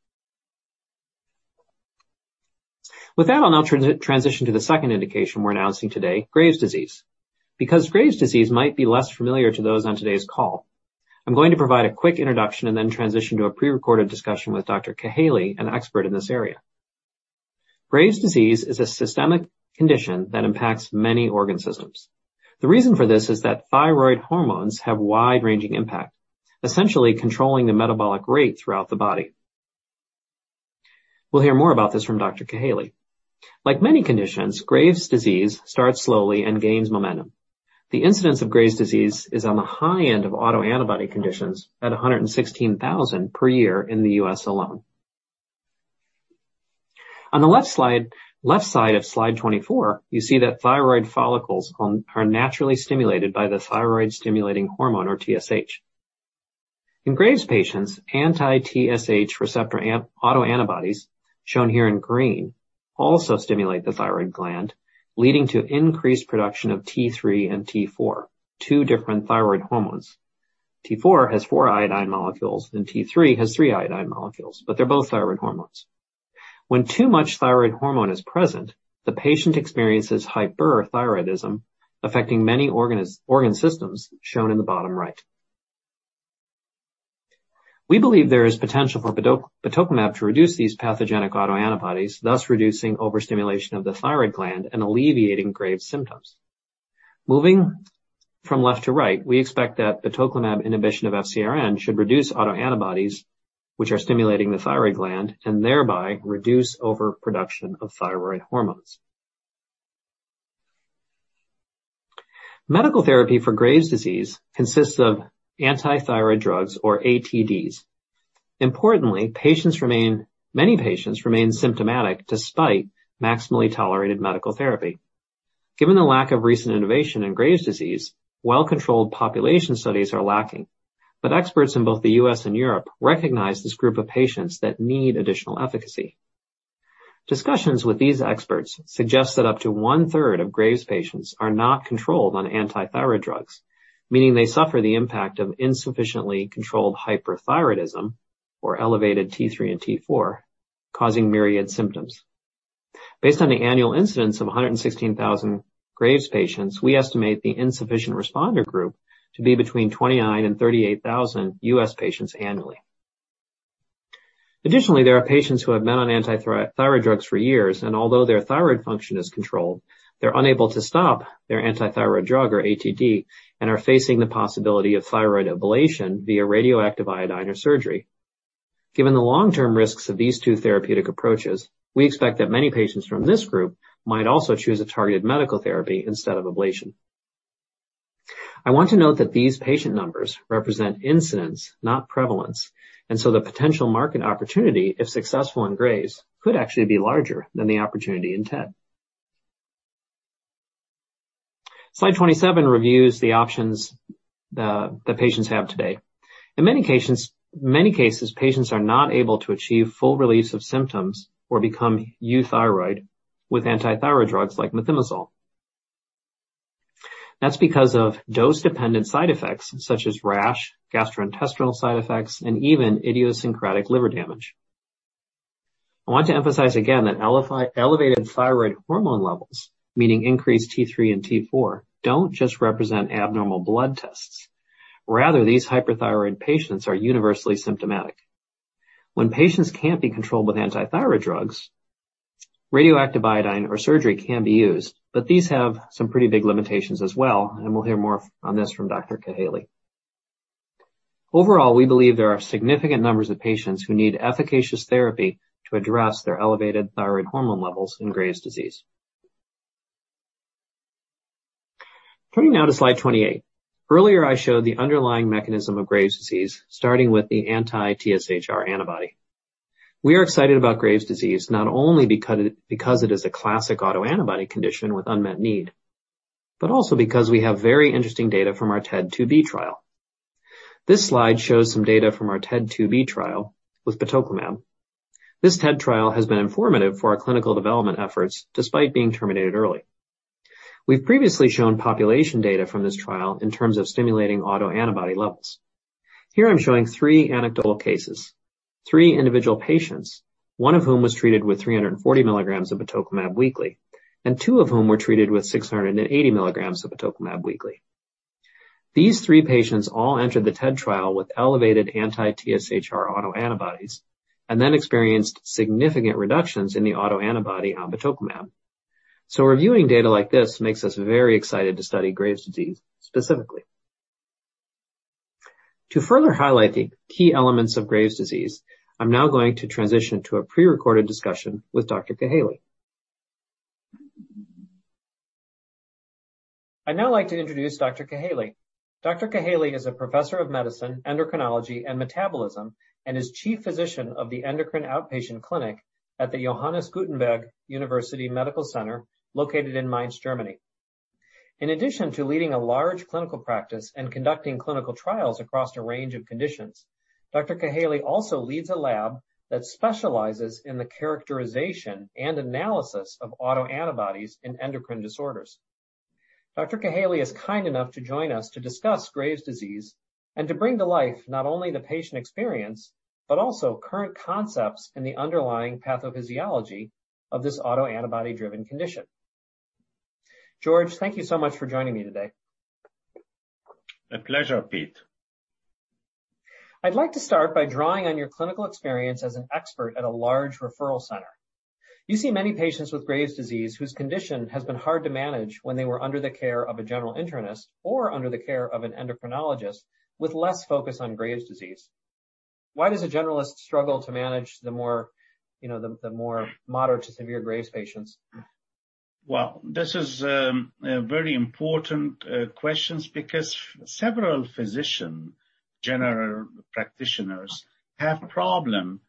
With that, I'll now transition to the second indication we're announcing today, Graves' disease. Because Graves' disease might be less familiar to those on today's call, I'm going to provide a quick introduction and then transition to a prerecorded discussion with Dr. Kahaly, an expert in this area. Graves' disease is a systemic condition that impacts many organ systems. The reason for this is that thyroid hormones have wide-ranging impact, essentially controlling the metabolic rate throughout the body. We'll hear more about this from Dr. Kahaly. Like many conditions, Graves' disease starts slowly and gains momentum. The incidence of Graves' disease is on the high end of autoantibody conditions at 116,000 per year in the U.S. alone. On the left slide, left side of slide 24, you see that thyroid follicles are naturally stimulated by the thyroid-stimulating hormone or TSH. In Graves patients, anti-TSH receptor autoantibodies, shown here in green, also stimulate the thyroid gland, leading to increased production of T3 and T4, two different thyroid hormones. T4 has four iodine molecules and T3 has three iodine molecules, but they're both thyroid hormones. When too much thyroid hormone is present, the patient experiences hyperthyroidism, affecting many organ systems, shown in the bottom right. We believe there is potential for batoclimab to reduce these pathogenic autoantibodies, thus reducing overstimulation of the thyroid gland and alleviating Graves' symptoms. Moving from left to right, we expect that batoclimab inhibition of FcRn should reduce autoantibodies which are stimulating the thyroid gland and thereby reduce overproduction of thyroid hormones. Medical therapy for Graves' disease consists of antithyroid drugs or ATDs. Importantly, many patients remain symptomatic despite maximally tolerated medical therapy. Given the lack of recent innovation in Graves' disease, well-controlled population studies are lacking. Experts in both the U.S. and Europe recognize this group of patients that need additional efficacy. Discussions with these experts suggest that up to one-third of Graves' patients are not controlled on anti-thyroid drugs, meaning they suffer the impact of insufficiently controlled hyperthyroidism, or elevated T3 and T4, causing myriad symptoms. Based on the annual incidence of 116,000 Graves' patients, we estimate the insufficient responder group to be between 29,000 and 38,000 U.S. patients annually. Additionally, there are patients who have been on anti-thyroid drugs for years, and although their thyroid function is controlled, they're unable to stop their anti-thyroid drug or ATD and are facing the possibility of thyroid ablation via radioactive iodine or surgery. Given the long-term risks of these two therapeutic approaches, we expect that many patients from this group might also choose a targeted medical therapy instead of ablation. I want to note that these patient numbers represent incidence, not prevalence. The potential market opportunity, if successful in Graves', could actually be larger than the opportunity in TED. Slide 27 reviews the options that patients have today. In many cases, patients are not able to achieve full relief of symptoms or become euthyroid with antithyroid drugs like methimazole. That's because of dose-dependent side effects such as rash, gastrointestinal side effects, and even idiosyncratic liver damage. I want to emphasize again that elevated thyroid hormone levels, meaning increased T3 and T4, don't just represent abnormal blood tests. Rather, these hyperthyroid patients are universally symptomatic. When patients can't be controlled with antithyroid drugs, radioactive iodine or surgery can be used, but these have some pretty big limitations as well, and we'll hear more on this from Dr. Kahaly. Overall, we believe there are significant numbers of patients who need efficacious therapy to address their elevated thyroid hormone levels in Graves' disease. Turning now to slide 28. Earlier, I showed the underlying mechanism of Graves' disease, starting with the anti-TSHR antibody. We are excited about Graves' disease not only because it is a classic autoantibody condition with unmet need, but also because we have very interesting data from our TED2b trial. This slide shows some data from our TED2b trial with batoclimab. This TED trial has been informative for our clinical development efforts despite being terminated early. We've previously shown population data from this trial in terms of stimulating autoantibody levels. Here I'm showing three anecdotal cases, three individual patients, one of whom was treated with 340 mg of batoclimab weekly, and two of whom were treated with 680 mg of batoclimab weekly. These three patients all entered the TED2b trial with elevated anti-TSHR autoantibodies and then experienced significant reductions in the autoantibody on batoclimab. Reviewing data like this makes us very excited to study Graves' disease specifically. To further highlight the key elements of Graves' disease, I'm now going to transition to a prerecorded discussion with Dr. Kahaly. I'd now like to introduce Dr. Kahaly. Dr. Kahaly is a professor of medicine, endocrinology, and metabolism, and is chief physician of the Endocrine Outpatient Clinic at the Johannes Gutenberg University Medical Center, located in Mainz, Germany. In addition to leading a large clinical practice and conducting clinical trials across a range of conditions, Dr. Kahaly also leads a lab that specializes in the characterization and analysis of autoantibodies in endocrine disorders. Dr. Kahaly is kind enough to join us to discuss Graves' disease and to bring to life not only the patient experience, but also current concepts in the underlying pathophysiology of this autoantibody-driven condition. George, thank you so much for joining me today. A pleasure, Pete. I'd like to start by drawing on your clinical experience as an expert at a large referral center. You see many patients with Graves' disease whose condition has been hard to manage when they were under the care of a general internist or under the care of an endocrinologist with less focus on Graves' disease. Why does a generalist struggle to manage the more, you know, moderate to severe Graves' patients? Well, this is a very important question because several physician general practitioners have problem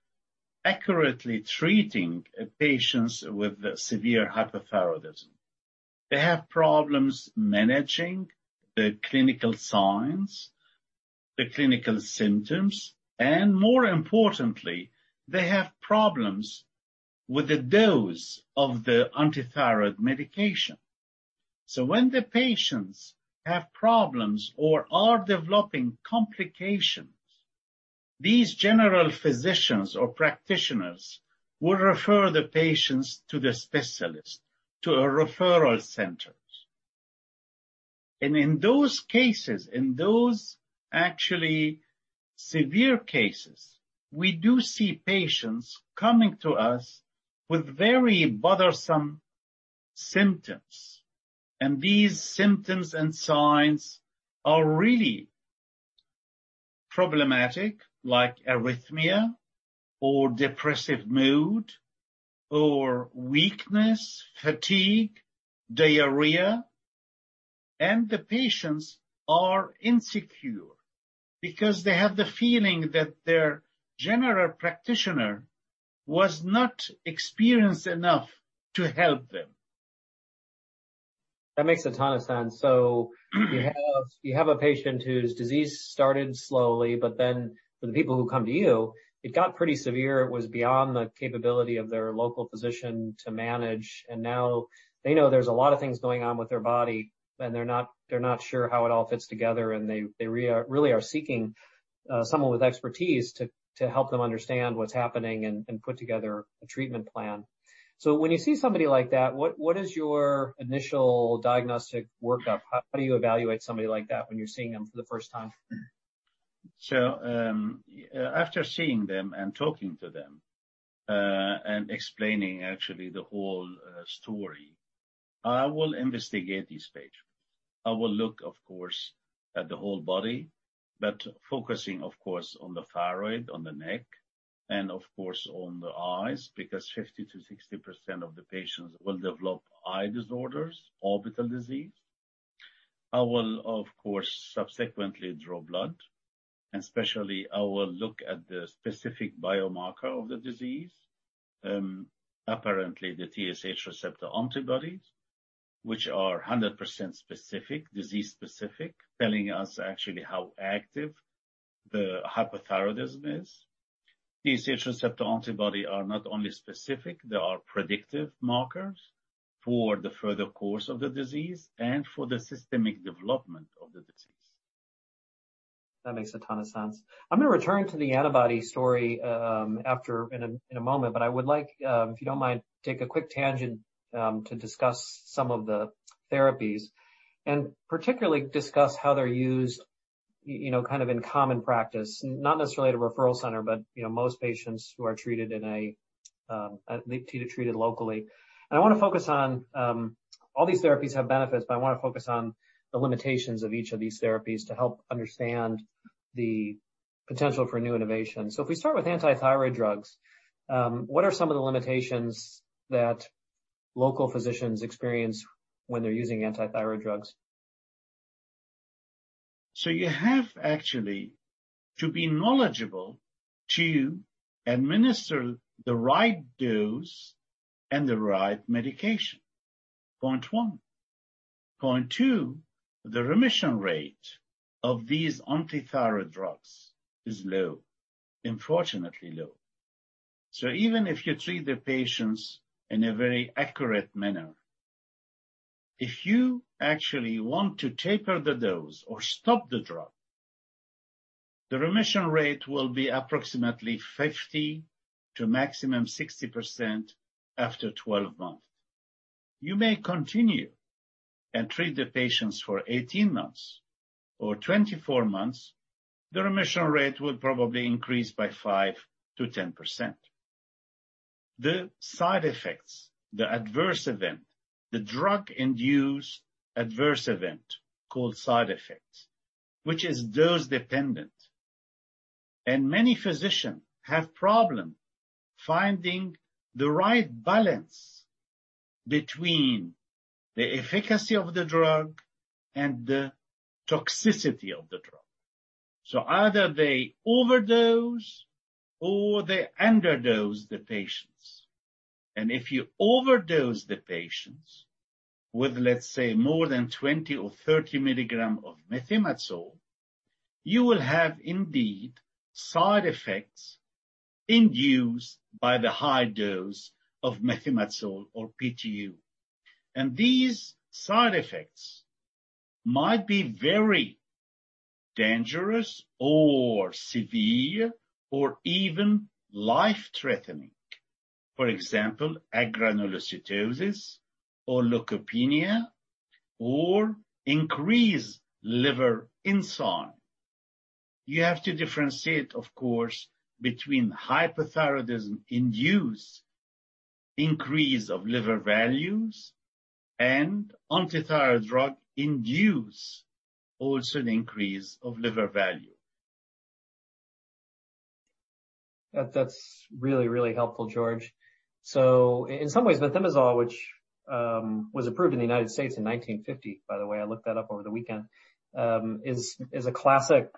accurately treating patients with severe hyperthyroidism. They have problems managing the clinical signs, the clinical symptoms, and more importantly, they have problems with the dose of the anti-thyroid medication. When the patients have problems or are developing complications, these general physicians or practitioners will refer the patients to the specialist, to a referral centers. In those cases, in those actually severe cases, we do see patients coming to us with very bothersome symptoms. These symptoms and signs are really problematic, like arrhythmia or depressive mood or weakness, fatigue, diarrhea. The patients are insecure because they have the feeling that their general practitioner was not experienced enough to help them. That makes a ton of sense. You have a patient whose disease started slowly, but then for the people who come to you, it got pretty severe. It was beyond the capability of their local physician to manage. Now they know there's a lot of things going on with their body, and they're not sure how it all fits together, and they really are seeking someone with expertise to help them understand what's happening and put together a treatment plan. When you see somebody like that, what is your initial diagnostic workup? How do you evaluate somebody like that when you're seeing them for the first time? After seeing them and talking to them, and explaining actually the whole story, I will investigate this patient. I will look, of course, at the whole body, but focusing, of course, on the thyroid, on the neck, and of course, on the eyes, because 50%-60% of the patients will develop eye disorders, orbital disease. I will, of course, subsequently draw blood, and especially I will look at the specific biomarker of the disease, apparently the TSH receptor antibodies, which are 100% specific, disease-specific, telling us actually how active the hyperthyroidism is. TSH receptor antibody are not only specific, they are predictive markers for the further course of the disease and for the systemic development of the disease. That makes a ton of sense. I'm gonna return to the antibody story after in a moment, but I would like, if you don't mind, take a quick tangent to discuss some of the therapies and particularly discuss how they're used, you know, kind of in common practice, not necessarily at a referral center, but you know, most patients who are treated locally. I wanna focus on all these therapies have benefits, but I wanna focus on the limitations of each of these therapies to help understand the potential for new innovation. If we start with antithyroid drugs, what are some of the limitations that local physicians experience when they're using antithyroid drugs? You have actually to be knowledgeable to administer the right dose and the right medication. Point one. Point two, the remission rate of these antithyroid drugs is low, unfortunately low. Even if you treat the patients in a very accurate manner, if you actually want to taper the dose or stop the drug, the remission rate will be approximately 50% to maximum 60% after 12 months. You may continue and treat the patients for 18 months or 24 months. The remission rate will probably increase by 5%-10%. The side effects, the adverse event, the drug-induced adverse event called side effects, which is dose dependent. Many physicians have problem finding the right balance between the efficacy of the drug and the toxicity of the drug. Either they overdose or they underdose the patients. If you overdose the patients with, let's say, more than 20 mg or 30 mg of methimazole, you will have indeed side effects induced by the high dose of methimazole or PTU. These side effects might be very dangerous or severe or even life-threatening. For example, agranulocytosis or leukopenia or increased liver enzyme. You have to differentiate, of course, between hyperthyroidism-induced increase of liver values and antithyroid drug-induced also the increase of liver value. That's really, really helpful, George. In some ways, methimazole, which was approved in the United States in 1950, by the way, I looked that up over the weekend, is a classic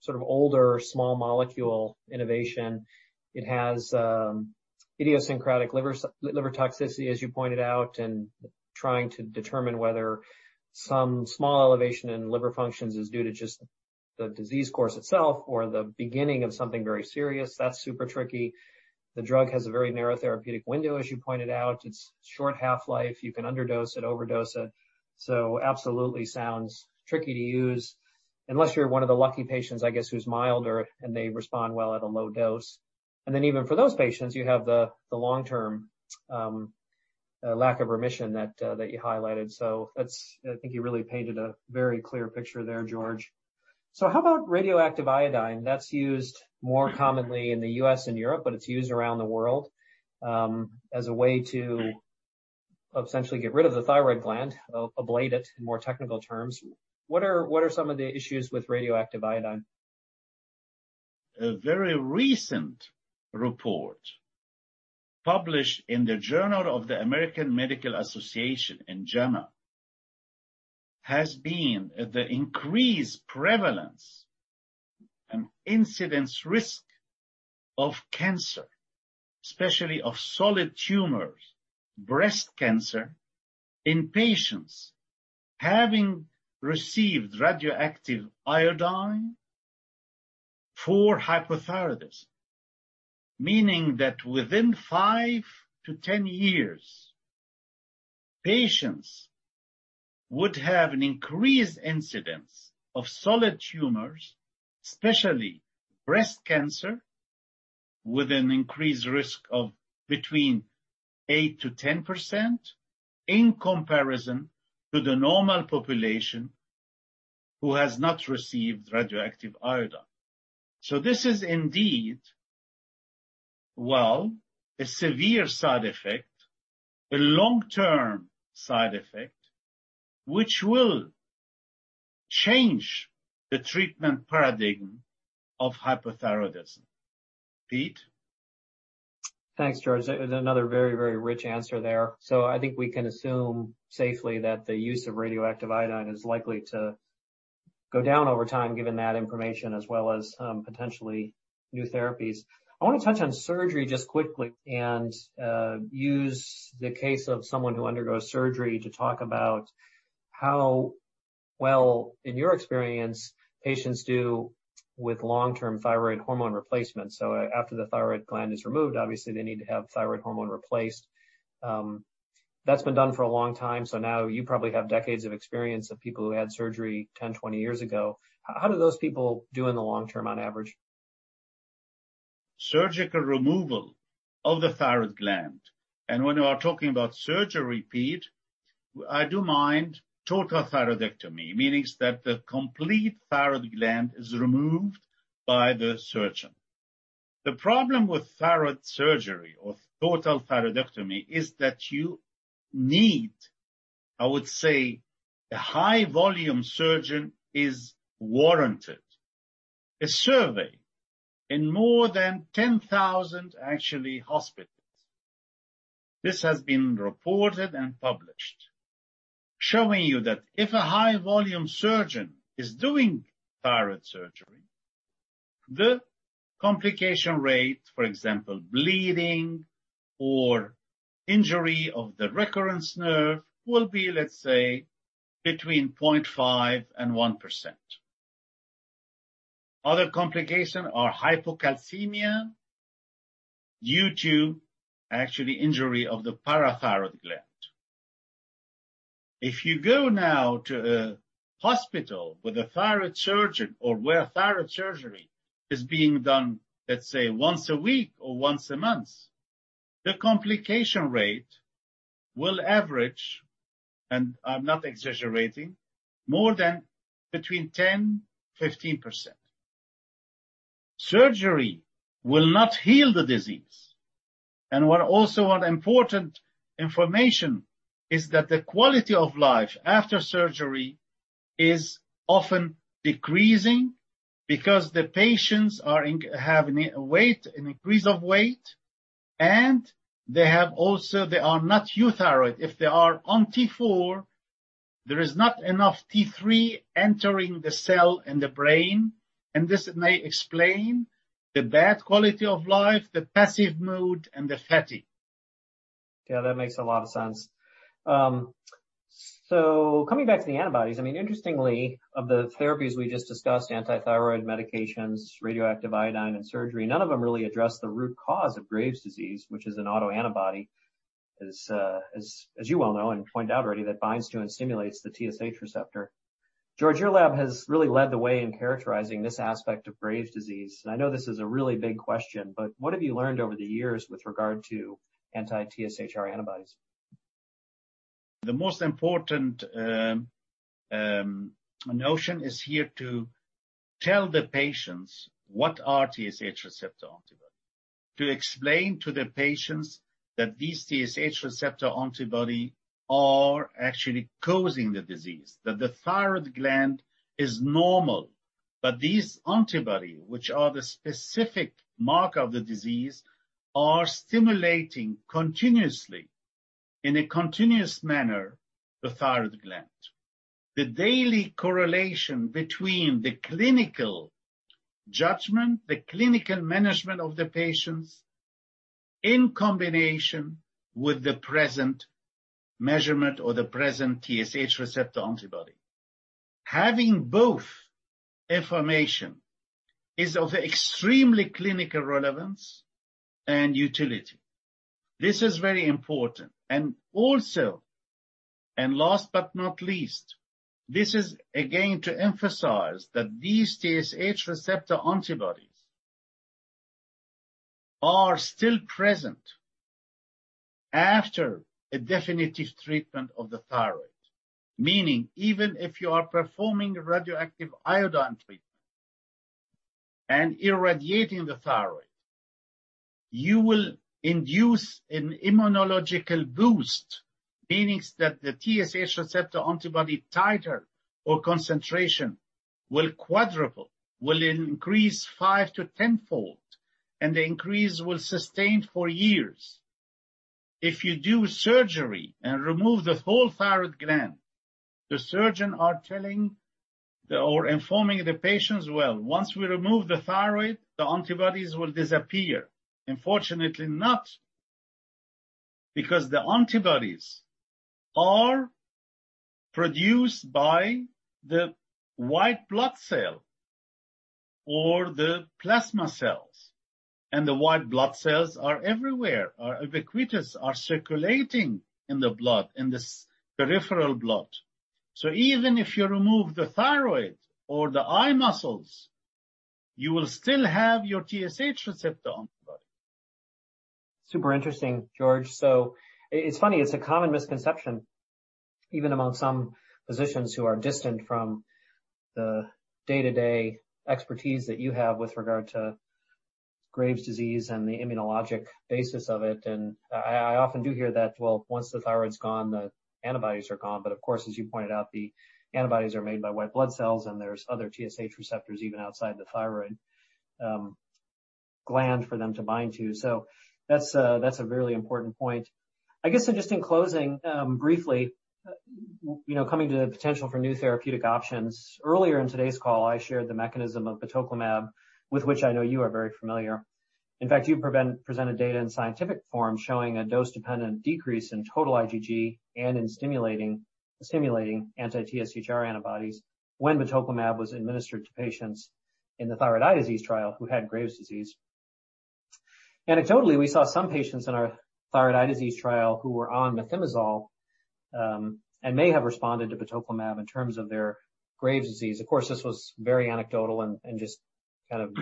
sort of older small molecule innovation. It has idiosyncratic liver toxicity, as you pointed out, and trying to determine whether some small elevation in liver functions is due to just the disease course itself or the beginning of something very serious. That's super tricky. The drug has a very narrow therapeutic window, as you pointed out. It's short half-life. You can underdose it, overdose it. Absolutely sounds tricky to use unless you're one of the lucky patients, I guess, who's milder, and they respond well at a low dose. Even for those patients, you have the long-term lack of remission that you highlighted. That's. I think you really painted a very clear picture there, George. How about radioactive iodine? That's used more commonly in the U.S. and Europe, but it's used around the world, as a way to essentially get rid of the thyroid gland, ablate it in more technical terms. What are some of the issues with radioactive iodine? A very recent report published in the Journal of the American Medical Association in JAMA has been the increased prevalence and incidence risk of cancer, especially of solid tumors, breast cancer in patients having received radioactive iodine for hypothyroidism. Meaning that within 5 years-10 years, patients would have an increased incidence of solid tumors, especially breast cancer, with an increased risk of between 8%-10% in comparison to the normal population who has not received radioactive iodine. This is indeed, well, a severe side effect, a long-term side effect, which will change the treatment paradigm of hypothyroidism. Pete. Thanks, George. That is another very, very rich answer there. I think we can assume safely that the use of radioactive iodine is likely to go down over time, given that information, as well as potentially new therapies. I want to touch on surgery just quickly and use the case of someone who undergoes surgery to talk about how well, in your experience, patients do with long-term thyroid hormone replacement. After the thyroid gland is removed, obviously, they need to have thyroid hormone replaced. That's been done for a long time, so now you probably have decades of experience of people who had surgery 10 years, 20 years ago. How do those people do in the long term on average? Surgical removal of the thyroid gland. When you are talking about surgery, Pete, I mean total thyroidectomy, meaning that the complete thyroid gland is removed by the surgeon. The problem with thyroid surgery or total thyroidectomy is that you need, I would say, a high-volume surgeon is warranted. A survey in more than 10,000 actual hospitals. This has been reported and published, showing you that if a high-volume surgeon is doing thyroid surgery, the complication rate, for example, bleeding or injury of the recurrent nerve, will be, let's say, between 0.5%-1%. Other complications are hypocalcemia due to actual injury of the parathyroid gland. If you go now to a hospital with a thyroid surgeon or where thyroid surgery is being done, let's say, once a week or once a month, the complication rate will average, and I'm not exaggerating, more than between 10%-15%. Surgery will not heal the disease. What also important information is that the quality of life after surgery is often decreasing because the patients have weight, an increase of weight, and they have also. They are not euthyroid. If they are on T4, there is not enough T3 entering the cell and the brain, and this may explain the bad quality of life, the passive mood, and the fatigue. Yeah, that makes a lot of sense. So coming back to the antibodies, I mean, interestingly, of the therapies we just discussed, anti-thyroid medications, radioactive iodine, and surgery, none of them really address the root cause of Graves' disease, which is an autoantibody, as you well know and pointed out already, that binds to and stimulates the TSH receptor. George, your lab has really led the way in characterizing this aspect of Graves' disease. I know this is a really big question, but what have you learned over the years with regard to anti-TSHR antibodies? The most important notion is here to tell the patients what are TSH receptor antibody. To explain to the patients that these TSH receptor antibody are actually causing the disease. That the thyroid gland is normal, but these antibody, which are the specific marker of the disease, are stimulating continuously, in a continuous manner, the thyroid gland. The daily correlation between the clinical judgment, the clinical management of the patients in combination with the present measurement or the present TSH receptor antibody. Having both information is of extremely clinical relevance and utility. This is very important. Also, and last but not least, this is again to emphasize that these TSH receptor antibodies are still present after a definitive treatment of the thyroid. Meaning even if you are performing radioactive iodine treatment and irradiating the thyroid, you will induce an immunological boost, meaning that the TSH receptor antibody titer or concentration will quadruple, will increase 5-10 fold, and the increase will sustain for years. If you do surgery and remove the whole thyroid gland, the surgeon are telling or informing the patients, "Well, once we remove the thyroid, the antibodies will disappear." Unfortunately not, because the antibodies are produced by the white blood cell or the plasma cells, and the white blood cells are everywhere, are ubiquitous, are circulating in the blood, in this peripheral blood. Even if you remove the thyroid or the eye muscles, you will still have your TSH receptor antibody. Super interesting, George. It's funny, it's a common misconception, even among some physicians who are distant from the day-to-day expertise that you have with regard to Graves' disease and the immunologic basis of it. I often do hear that, well, once the thyroid's gone, the antibodies are gone. Of course, as you pointed out, the antibodies are made by white blood cells, and there's other TSH receptors even outside the thyroid gland for them to bind to. That's a really important point. I guess just in closing, briefly, you know, coming to the potential for new therapeutic options. Earlier in today's call, I shared the mechanism of the batoclimab, with which I know you are very familiar. In fact, you presented data in scientific form showing a dose-dependent decrease in total IgG and in stimulating anti-TSHR antibodies when the batoclimab was administered to patients in the thyroid eye disease trial who had Graves' disease. Anecdotally, we saw some patients in our thyroid eye disease trial who were on methimazole and may have responded to the tocilizumab in terms of their Graves' disease. Of course, this was very anecdotal and just kind of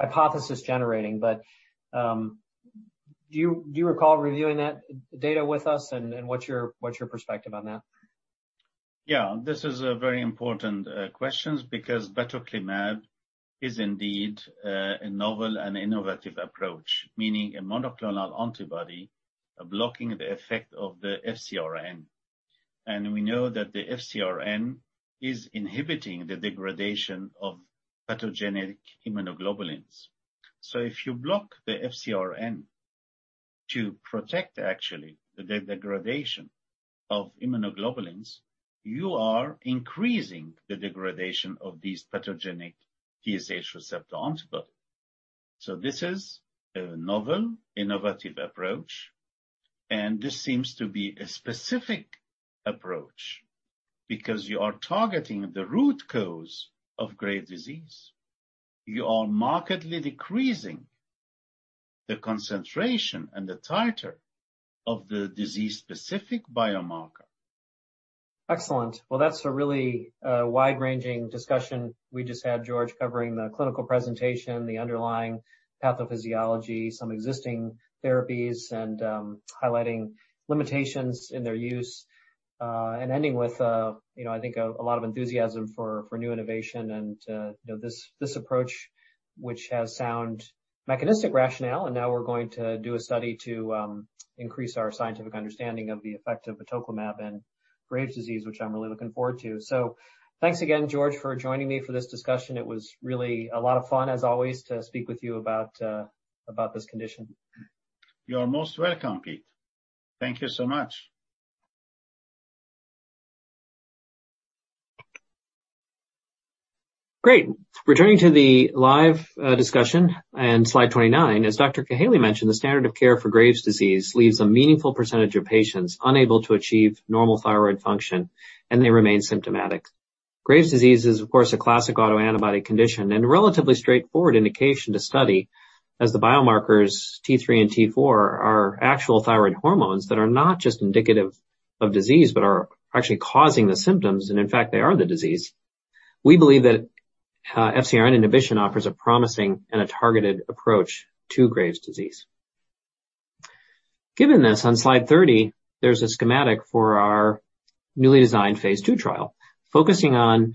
hypothesis generating. Do you recall reviewing that data with us and what's your perspective on that? Yeah. This is a very important question because the batoclimab is indeed a novel and innovative approach, meaning a monoclonal antibody blocking the effect of the FcRn. We know that the FcRn is inhibiting the degradation of pathogenic immunoglobulins. If you block the FcRn to protect actually the degradation of immunoglobulins, you are increasing the degradation of these pathogenic TSH receptor antibody. This is a novel, innovative approach, and this seems to be a specific approach because you are targeting the root cause of Graves' disease. You are markedly decreasing the concentration and the titer of the disease-specific biomarker. Excellent. Well, that's a really wide-ranging discussion we just had, George, covering the clinical presentation, the underlying pathophysiology, some existing therapies, and highlighting limitations in their use, and ending with, you know, I think a lot of enthusiasm for new innovation and, you know, this approach, which has sound mechanistic rationale. Now we're going to do a study to increase our scientific understanding of the effect of tocilizumab in Graves' disease, which I'm really looking forward to. Thanks again, George, for joining me for this discussion. It was really a lot of fun, as always, to speak with you about this condition. You are most welcome, Pete. Thank you so much. Great. Returning to the live discussion and slide 29. As Dr. Kahaly mentioned, the standard of care for Graves' disease leaves a meaningful percentage of patients unable to achieve normal thyroid function, and they remain symptomatic. Graves' disease is, of course, a classic autoantibody condition and a relatively straightforward indication to study, as the biomarkers T3 and T4 are actual thyroid hormones that are not just indicative of disease but are actually causing the symptoms, and in fact, they are the disease. We believe that FcRn inhibition offers a promising and a targeted approach to Graves' disease. Given this, on slide 30, there's a schematic for our newly designed phase II trial, focusing on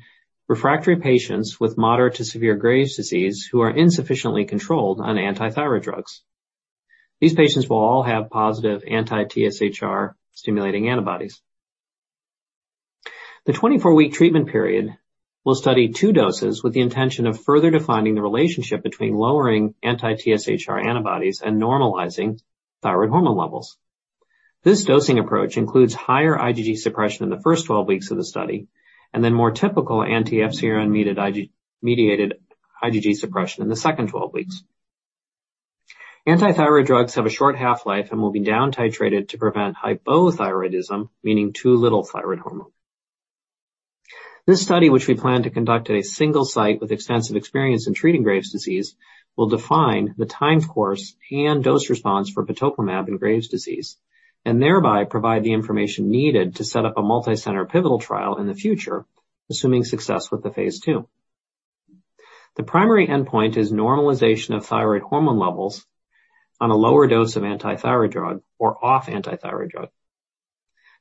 refractory patients with moderate to severe Graves' disease who are insufficiently controlled on anti-thyroid drugs. These patients will all have positive anti-TSHR stimulating antibodies. The 24-week treatment period will study two doses with the intention of further defining the relationship between lowering anti-TSHR antibodies and normalizing thyroid hormone levels. This dosing approach includes higher IgG suppression in the first 12 weeks of the study and then more typical anti-FcRn-mediated IgG suppression in the second 12 weeks. Anti-thyroid drugs have a short half-life and will be down titrated to prevent hypothyroidism, meaning too little thyroid hormone. This study, which we plan to conduct at a single site with extensive experience in treating Graves' disease, will define the time course and dose response for the batoclimab in Graves' disease and thereby provide the information needed to set up a multicenter pivotal trial in the future, assuming success with the phase II. The primary endpoint is normalization of thyroid hormone levels on a lower dose of anti-thyroid drug or off anti-thyroid drug.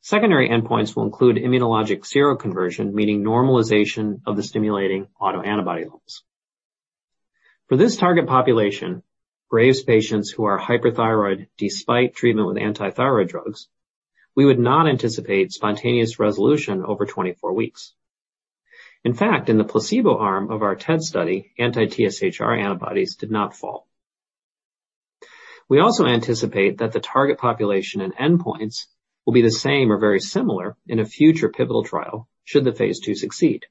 Secondary endpoints will include immunologic seroconversion, meaning normalization of the stimulating autoantibody levels. For this target population, Graves' patients who are hyperthyroid despite treatment with anti-thyroid drugs, we would not anticipate spontaneous resolution over 24 weeks. In fact, in the placebo arm of our TED study, anti-TSHR antibodies did not fall. We also anticipate that the target population and endpoints will be the same or very similar in a future pivotal trial should the phase II succeed.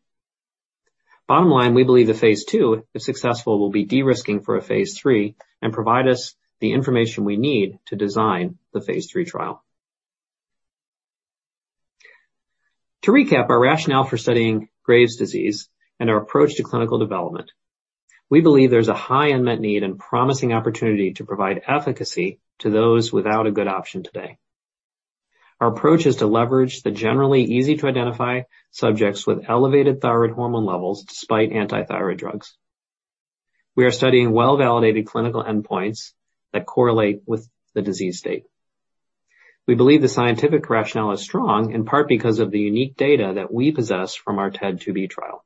Bottom line, we believe the phase II, if successful, will be de-risking for a phase III and provide us the information we need to design the phase III trial. To recap our rationale for studying Graves' disease and our approach to clinical development, we believe there's a high unmet need and promising opportunity to provide efficacy to those without a good option today. Our approach is to leverage the generally easy-to-identify subjects with elevated thyroid hormone levels despite anti-thyroid drugs. We are studying well-validated clinical endpoints that correlate with the disease state. We believe the scientific rationale is strong, in part because of the unique data that we possess from our TED2b trial.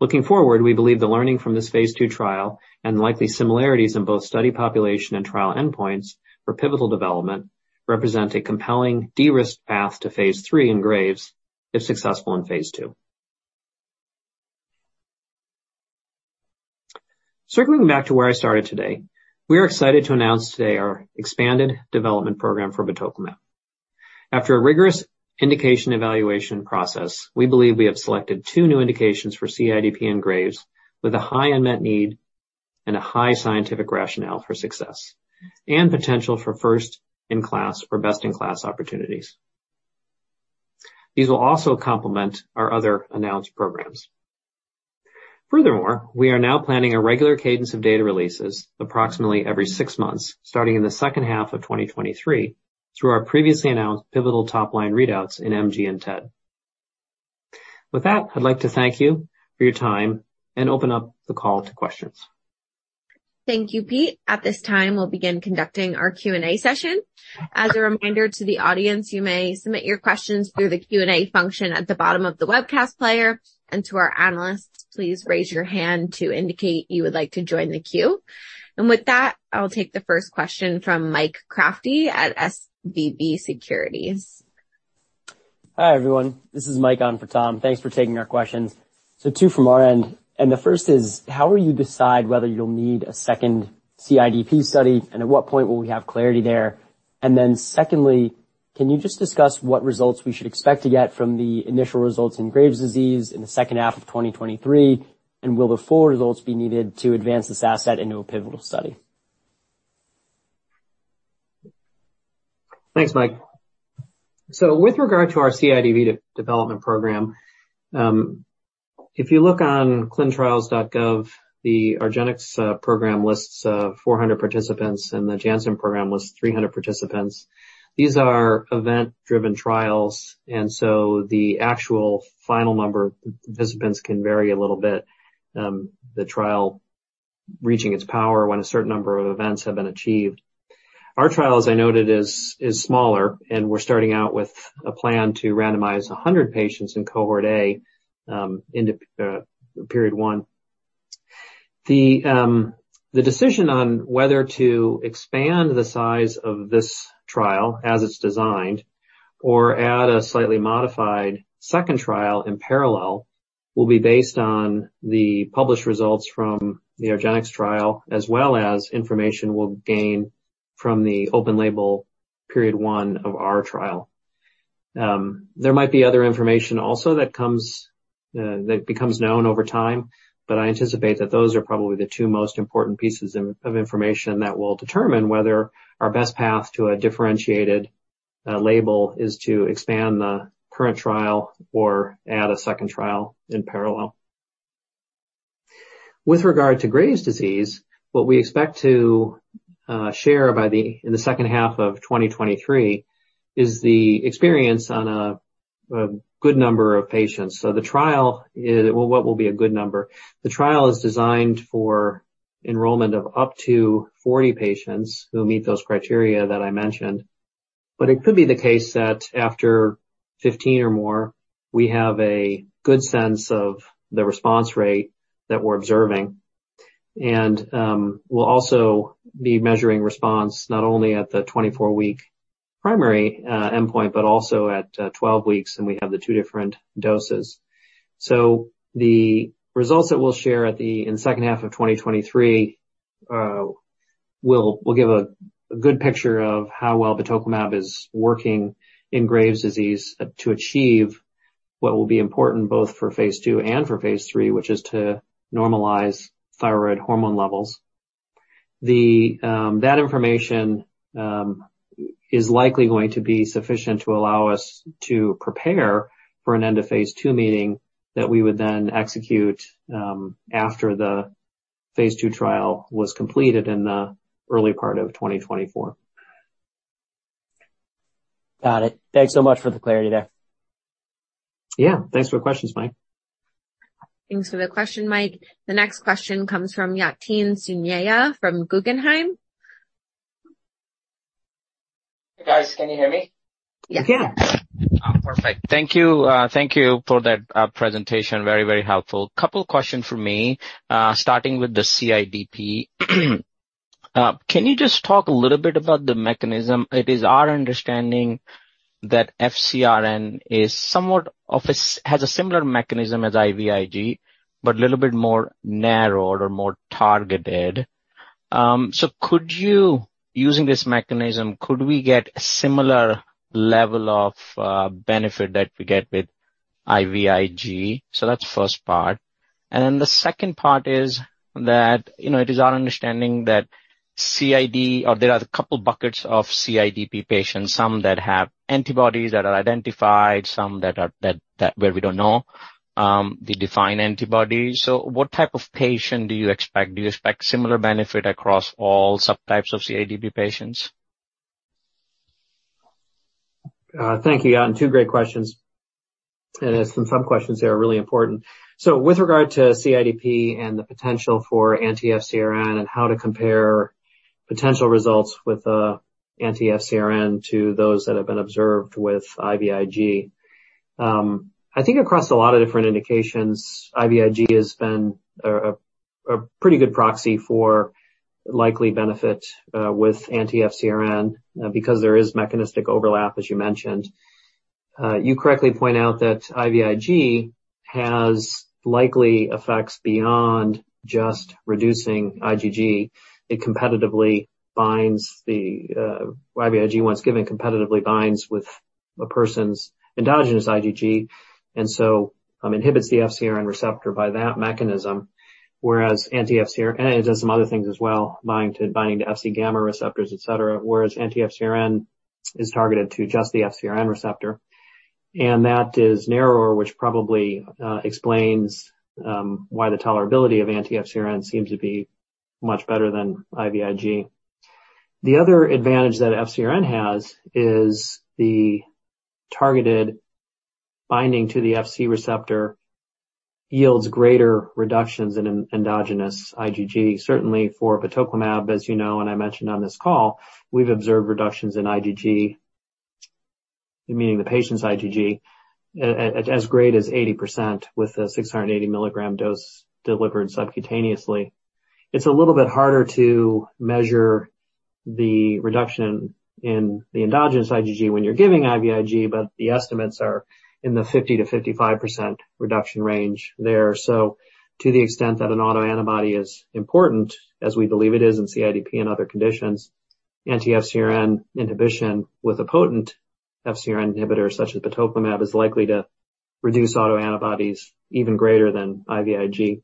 Looking forward, we believe the learning from this phase II trial and likely similarities in both study population and trial endpoints for pivotal development represent a compelling de-risked path to phase III in Graves' if successful in phase II. Circling back to where I started today, we are excited to announce today our expanded development program for batoclimab. After a rigorous indication evaluation process, we believe we have selected two new indications for CIDP and Graves' with a high unmet need and a high scientific rationale for success and potential for first-in-class or best-in-class opportunities. These will also complement our other announced programs. Furthermore, we are now planning a regular cadence of data releases approximately every six months, starting in the H2 of 2023 through our previously announced pivotal top line readouts in MG and TED. With that, I'd like to thank you for your time and open up the call to questions. Thank you, Pete. At this time, we'll begin conducting our Q&A session. As a reminder to the audience, you may submit your questions through the Q&A function at the bottom of the webcast player. To our analysts, please raise your hand to indicate you would like to join the queue. With that, I'll take the first question from Mike Kratky at SVB Securities. Hi, everyone. This is Mike on for Tom. Thanks for taking our questions. Two from our end, and the first is, how will you decide whether you'll need a second CIDP study, and at what point will we have clarity there? Secondly, can you just discuss what results we should expect to get from the initial results in Graves' disease in the H2 of 2023? Will the full results be needed to advance this asset into a pivotal study? Thanks, Mike. With regard to our CIDP development program, if you look on ClinicalTrials.gov, the argenx program lists 400 participants, and the Janssen program lists 300 participants. These are event-driven trials, and so the actual final number of participants can vary a little bit, the trial reaching its power when a certain number of events have been achieved. Our trial, as I noted, is smaller, and we're starting out with a plan to randomize 100 patients in Cohort A into Period 1. The decision on whether to expand the size of this trial as it's designed or add a slightly modified second trial in parallel will be based on the published results from the argenx trial as well as information we'll gain from the open-label Period 1 of our trial. There might be other information also that comes, that becomes known over time, but I anticipate that those are probably the two most important pieces of information that will determine whether our best path to a differentiated label is to expand the current trial or add a second trial in parallel. With regard to Graves' disease, what we expect to share in the H2 of 2023 is the experience on a good number of patients. Well, what will be a good number? The trial is designed for enrollment of up to 40 patients who meet those criteria that I mentioned. It could be the case that after 15 or more, we have a good sense of the response rate that we're observing. We'll also be measuring response not only at the 24-week primary endpoint but also at 12 weeks, and we have the two different doses. The results that we'll share in the H2 of 2023 will give a good picture of how well batoclimab is working in Graves' disease to achieve what will be important both for phase II and for phase III, which is to normalize thyroid hormone levels. That information is likely going to be sufficient to allow us to prepare for an end of phase II meeting that we would then execute after the phase II trial was completed in the early part of 2024. Got it. Thanks so much for the clarity there. Yeah. Thanks for the questions, Mike. Thanks for the question, Mike. The next question comes from Yatin Suneja from Guggenheim. Hey, guys. Can you hear me? We can. Oh, perfect. Thank you. Thank you for that presentation. Very, very helpful. Couple questions from me, starting with the CIDP. Can you just talk a little bit about the mechanism? It is our understanding that FcRn has a similar mechanism as IVIG, but a little bit more narrowed or more targeted. Using this mechanism, could we get a similar level of benefit that we get with IVIG? That's first part. The second part is that it is our understanding that there are a couple buckets of CIDP patients, some that have antibodies that are identified, some that where we don't know the defined antibodies. What type of patient do you expect? Do you expect similar benefit across all subtypes of CIDP patients? Thank you. Yeah, two great questions. Some sub-questions there are really important. With regard to CIDP and the potential for anti-FcRn and how to compare potential results with anti-FcRn to those that have been observed with IVIG, I think across a lot of different indications, IVIG has been a pretty good proxy for likely benefit with anti-FcRn because there is mechanistic overlap, as you mentioned. You correctly point out that IVIG has likely effects beyond just reducing IgG. It competitively binds with a person's endogenous IgG, and so inhibits the FcRn receptor by that mechanism, whereas anti-FcRn. It does some other things as well, binding to Fc gamma receptors, et cetera. Whereas anti-FcRn is targeted to just the FcRn receptor. That is narrower, which probably explains why the tolerability of anti-FcRn seems to be much better than IVIG. The other advantage that FcRn has is the targeted binding to the Fc receptor yields greater reductions in endogenous IgG. Certainly for batoclimab, as you know, and I mentioned on this call, we've observed reductions in IgG, meaning the patient's IgG, as great as 80% with a 680 mg dose delivered subcutaneously. It's a little bit harder to measure the reduction in the endogenous IgG when you're giving IVIG, but the estimates are in the 50%-55% reduction range there. To the extent that an autoantibody is important, as we believe it is in CIDP and other conditions, anti-FcRn inhibition with a potent FcRn inhibitor such as batoclimab is likely to reduce autoantibodies even greater than IVIG.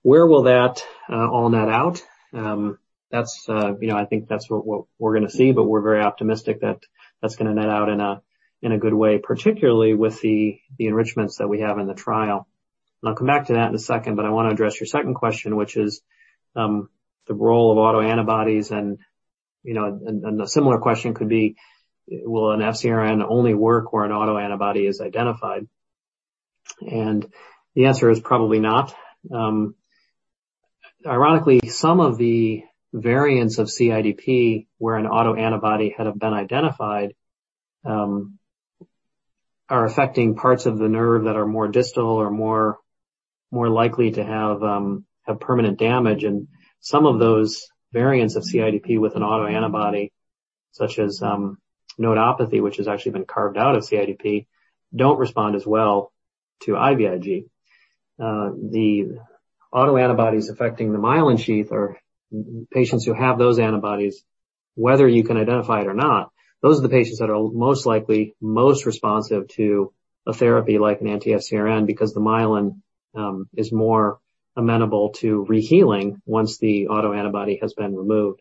Where will that all net out? That's, you know, I think that's what we're gonna see, but we're very optimistic that that's gonna net out in a good way, particularly with the enrichments that we have in the trial. I'll come back to that in a second, but I wanna address your second question, which is the role of autoantibodies and, you know, and a similar question could be, will an FcRn only work where an autoantibody is identified? The answer is probably not. Ironically, some of the variants of CIDP where an autoantibody have been identified are affecting parts of the nerve that are more distal or more likely to have permanent damage. Some of those variants of CIDP with an autoantibody, such as nodopathy, which has actually been carved out of CIDP, don't respond as well to IVIG. The autoantibodies affecting the myelin sheath or patients who have those antibodies, whether you can identify it or not, those are the patients that are most likely most responsive to a therapy like an anti-FcRn because the myelin is more amenable to re-healing once the autoantibody has been removed.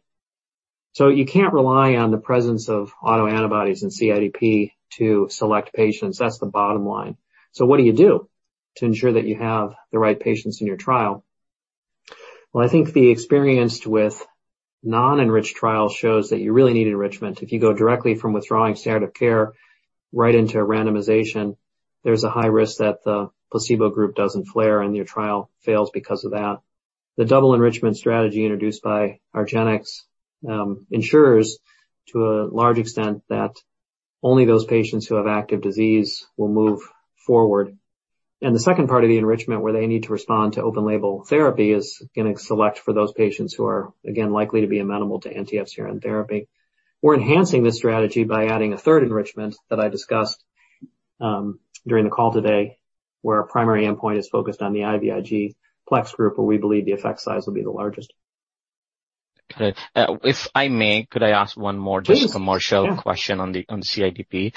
You can't rely on the presence of autoantibodies in CIDP to select patients. That's the bottom line. What do you do to ensure that you have the right patients in your trial? Well, I think the experience with non-enriched trials shows that you really need enrichment. If you go directly from withdrawing standard of care right into randomization, there's a high risk that the placebo group doesn't flare and your trial fails because of that. The double enrichment strategy introduced by argenx ensures to a large extent that only those patients who have active disease will move forward. The second part of the enrichment, where they need to respond to open label therapy, is gonna select for those patients who are, again, likely to be amenable to anti-FcRn therapy. We're enhancing this strategy by adding a third enrichment that I discussed during the call today, where our primary endpoint is focused on the IVIG PLEX group, where we believe the effect size will be the largest. Okay. If I may, could I ask one more? Please. Just commercial question on the CIDP?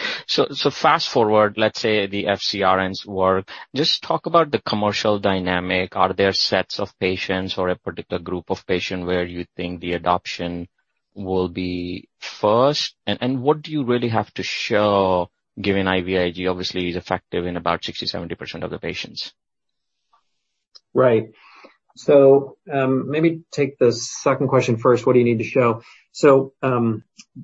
Fast-forward, let's say the FcRn's work. Just talk about the commercial dynamic. Are there sets of patients or a particular group of patient where you think the adoption will be first? And what do you really have to show given IVIG obviously is effective in about 60%-70% of the patients? Right. Maybe take the second question first. What do you need to show?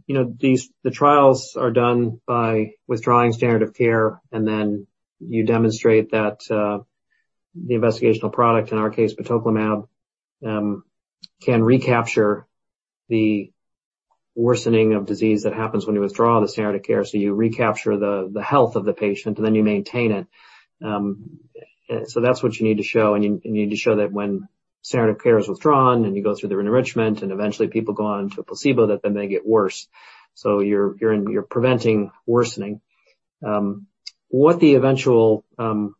You know, the trials are done by withdrawing standard of care, and then you demonstrate that, the investigational product, in our case, batoclimab, can recapture the worsening of disease that happens when you withdraw the standard of care, so you recapture the health of the patient, and then you maintain it. That's what you need to show, and you need to show that when standard of care is withdrawn, and you go through the enrichment, and eventually people go on to a placebo that then they get worse. You're preventing worsening. What the eventual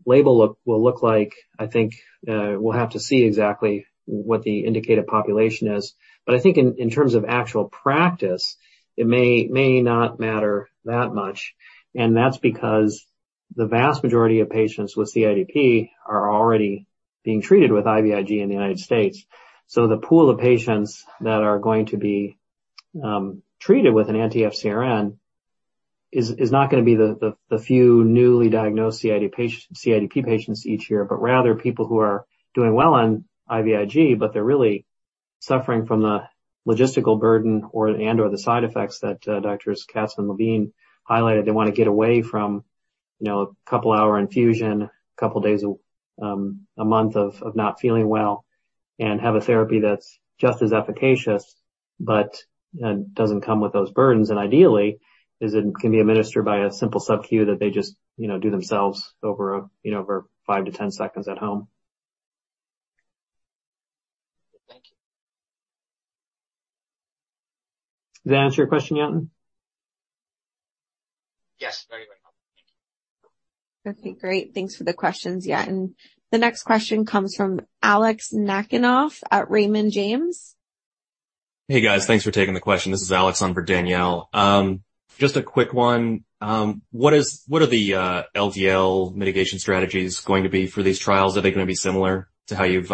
label will look like, I think, we'll have to see exactly what the indicated population is. I think in terms of actual practice, it may not matter that much. That's because the vast majority of patients with CIDP are already being treated with IVIG in the United States. The pool of patients that are going to be treated with an anti-FcRn is not gonna be the few newly diagnosed CIDP patients each year, but rather people who are doing well on IVIG, but they're really suffering from the logistical burden or and/or the side effects that Doctors Katz and Levine highlighted. They wanna get away from, you know, a couple hour infusion, couple days a month of not feeling well and have a therapy that's just as efficacious but doesn't come with those burdens. Ideally, if it can be administered by a simple sub-Q that they just, you know, do themselves over a, you know, over 5 seconds-10 seconds at home. Thank you. Does that answer your question, Yatin? Yes. Very, very helpful. Thank you. Okay, great. Thanks for the questions, Yatin. The next question comes from Alex Nackenoff at Raymond James. Hey, guys. Thanks for taking the question. This is Alex on for Danielle. Just a quick one. What are the LDL mitigation strategies going to be for these trials? Are they gonna be similar to how you've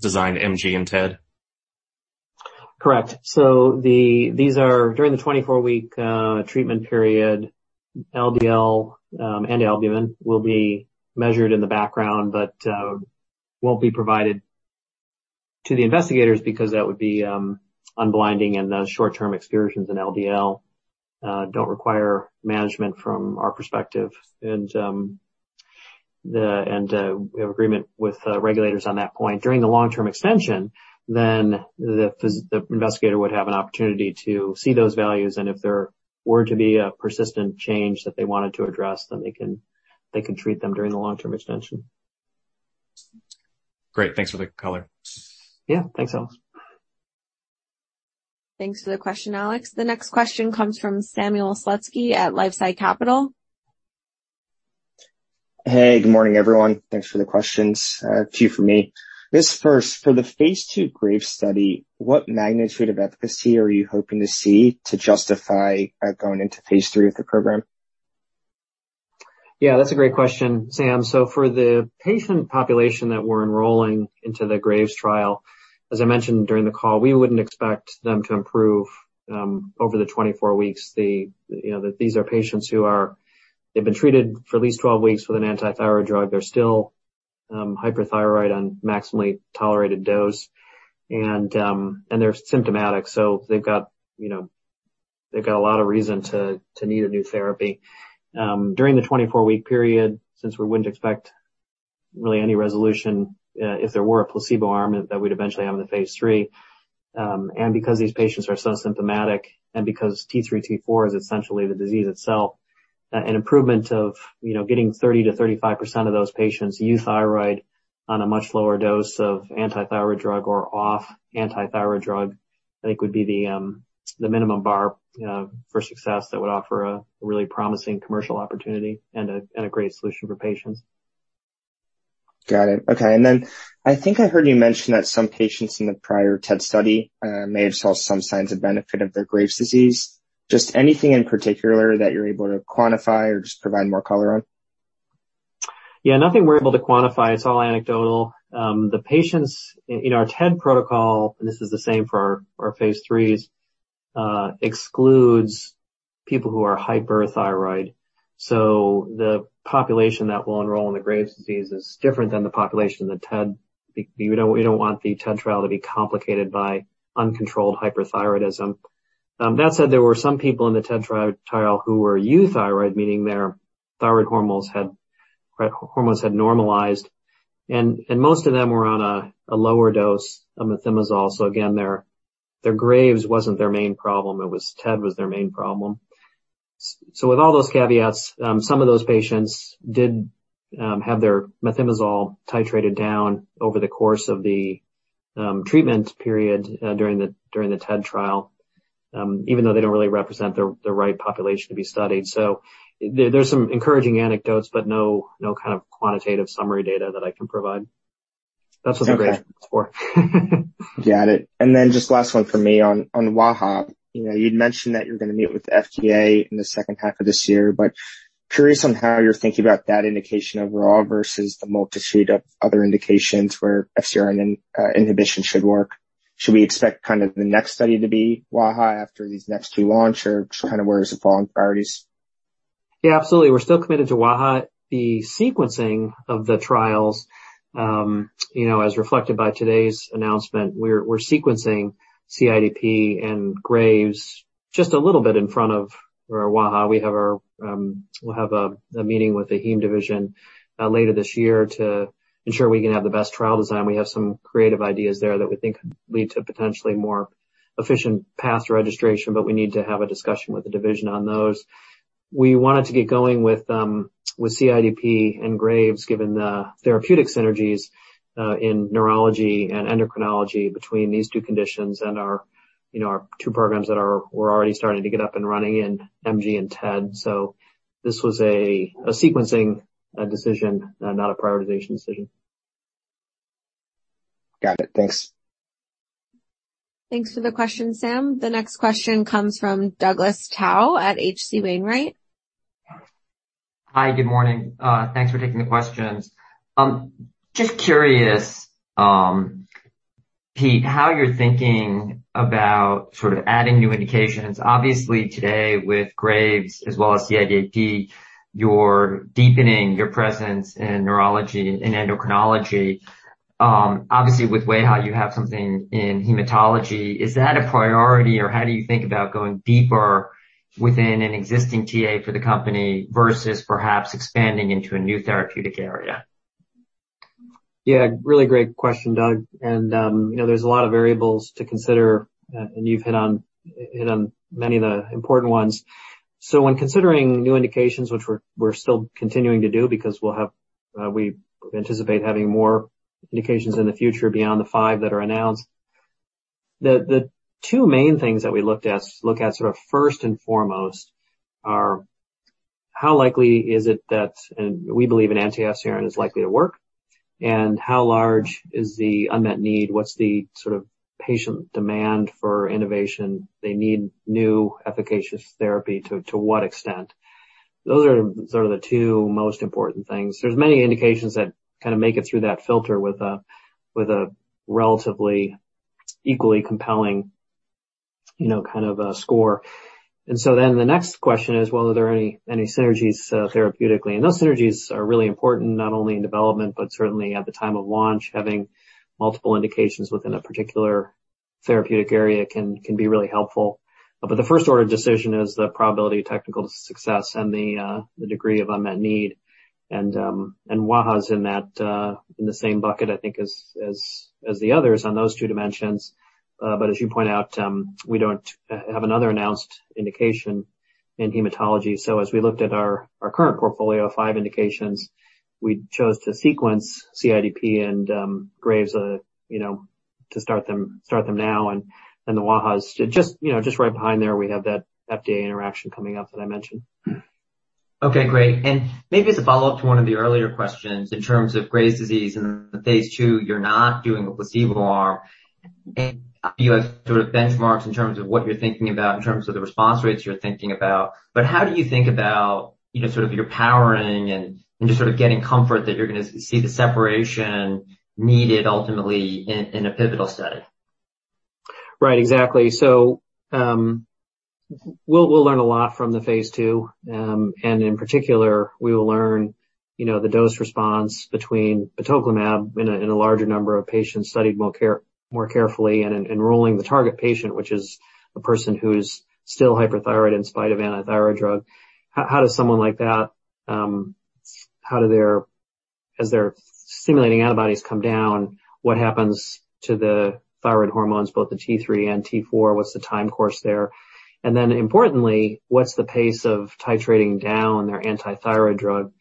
designed MG and TED? Correct. These are during the 24-week treatment period. LDL and albumin will be measured in the background, but won't be provided to the investigators because that would be unblinding and the short-term excursions in LDL don't require management from our perspective. We have agreement with regulators on that point. During the long-term extension, the investigator would have an opportunity to see those values, and if there were to be a persistent change that they wanted to address, then they can treat them during the long-term extension. Great. Thanks for the color. Yeah. Thanks, Alex. Thanks for the question, Alex. The next question comes from Samuel Slutsky at LifeSci Capital. Hey, good morning, everyone. Thanks for the questions. A few from me. This first, for the phase II Graves' study, what magnitude of efficacy are you hoping to see to justify going into phase III of the program? Yeah, that's a great question, Sam. For the patient population that we're enrolling into the Graves' trial, as I mentioned during the call, we wouldn't expect them to improve over the 24 weeks. You know, these are patients who've been treated for at least 12 weeks with an anti-thyroid drug. They're still hyperthyroid on maximally tolerated dose, and they're symptomatic. They've got, you know, they've got a lot of reason to need a new therapy. During the 24-week period, since we wouldn't expect really any resolution if there were a placebo arm that we'd eventually have in the phase III, and because these patients are so symptomatic and because T3, T4 is essentially the disease itself, an improvement of, you know, getting 30%-35% of those patients euthyroid on a much lower dose of anti-thyroid drug or off anti-thyroid drug, I think would be the minimum bar, you know, for success that would offer a really promising commercial opportunity and a great solution for patients. Got it. Okay. I think I heard you mention that some patients in the prior TED study may have saw some signs of benefit of their Graves' disease. Just anything in particular that you're able to quantify or just provide more color on? Yeah, nothing we're able to quantify. It's all anecdotal. The patients in our TED protocol, and this is the same for our phase IIIs, excludes people who are hyperthyroid. The population that we'll enroll in the Graves' disease is different than the population in the TED. We don't want the TED trial to be complicated by uncontrolled hyperthyroidism. That said, there were some people in the TED trial who were euthyroid, meaning their thyroid hormones had normalized. Most of them were on a lower dose of methimazole. Again, their Graves' wasn't their main problem. TED was their main problem. With all those caveats, some of those patients did have their methimazole titrated down over the course of the treatment period during the TED trial, even though they don't really represent the right population to be studied. There, there's some encouraging anecdotes, but no kind of quantitative summary data that I can provide. That's what the Graves' is for. Got it. Just last one for me on wAIHA. You know, you'd mentioned that you're gonna meet with the FDA in the H2 of this year, but curious on how you're thinking about that indication overall versus the multitude of other indications where FcRn inhibition should work. Should we expect kind of the next study to be wAIHA after these next two launch or just kind of where is it falling priorities? Yeah, absolutely. We're still committed to wAIHA. The sequencing of the trials, you know, as reflected by today's announcement, we're sequencing CIDP and Graves' just a little bit in front of our wAIHA. We'll have a meeting with the heme division later this year to ensure we can have the best trial design. We have some creative ideas there that we think could lead to potentially more efficient path to registration, but we need to have a discussion with the division on those. We wanted to get going with CIDP and Graves, given the therapeutic synergies in neurology and endocrinology between these two conditions and our, you know, our two programs that we're already starting to get up and running in MG and TED. This was a sequencing decision, not a prioritization decision. Got it. Thanks. Thanks for the question, Sam. The next question comes from Douglas Tsao at H.C. Wainwright. Hi. Good morning. Thanks for taking the questions. Just curious, Pete, how you're thinking about sort of adding new indications. Obviously today with Graves as well as CIDP, you're deepening your presence in neurology and endocrinology. Obviously with wAIHA, you have something in hematology. Is that a priority or how do you think about going deeper within an existing TA for the company versus perhaps expanding into a new therapeutic area? Yeah, really great question, Doug. You know, there's a lot of variables to consider, and you've hit on many of the important ones. When considering new indications, which we're still continuing to do because we anticipate having more indications in the future beyond the five that are announced. The two main things that we look at sort of first and foremost are how likely is it that, and we believe an anti-FcRn is likely to work, and how large is the unmet need? What's the sort of patient demand for innovation? They need new efficacious therapy to what extent? Those are sort of the two most important things. There's many indications that kinda make it through that filter with a relatively equally compelling, you know, kind of, score. The next question is, well, are there any synergies therapeutically? Those synergies are really important not only in development, but certainly at the time of launch. Having multiple indications within a particular therapeutic area can be really helpful. The first order of decision is the probability of technical success and the degree of unmet need. wAIHA is in that in the same bucket, I think, as the others on those two dimensions. As you point out, we don't have another announced indication in hematology. As we looked at our current portfolio of five indications, we chose to sequence CIDP and Graves you know to start them now. The wAIHA is just, you know, just right behind there. We have that FDA interaction coming up that I mentioned. Okay, great. Maybe as a follow-up to one of the earlier questions in terms of Graves' disease and the phase II, you're not doing a placebo arm. Do you have sort of benchmarks in terms of what you're thinking about in terms of the response rates you're thinking about? How do you think about, you know, sort of your powering and just sort of getting comfort that you're gonna see the separation needed ultimately in a pivotal study? Right. Exactly. We'll learn a lot from the phase II. In particular, we will learn, you know, the dose response between batoclimab in a larger number of patients studied more carefully and enrolling the target patient, which is a person who's still hyperthyroid in spite of antithyroid drug. How does someone like that, as their stimulating antibodies come down, what happens to the thyroid hormones, both the T3 and T4? What's the time course there? Importantly, what's the pace of titrating down their antithyroid drug?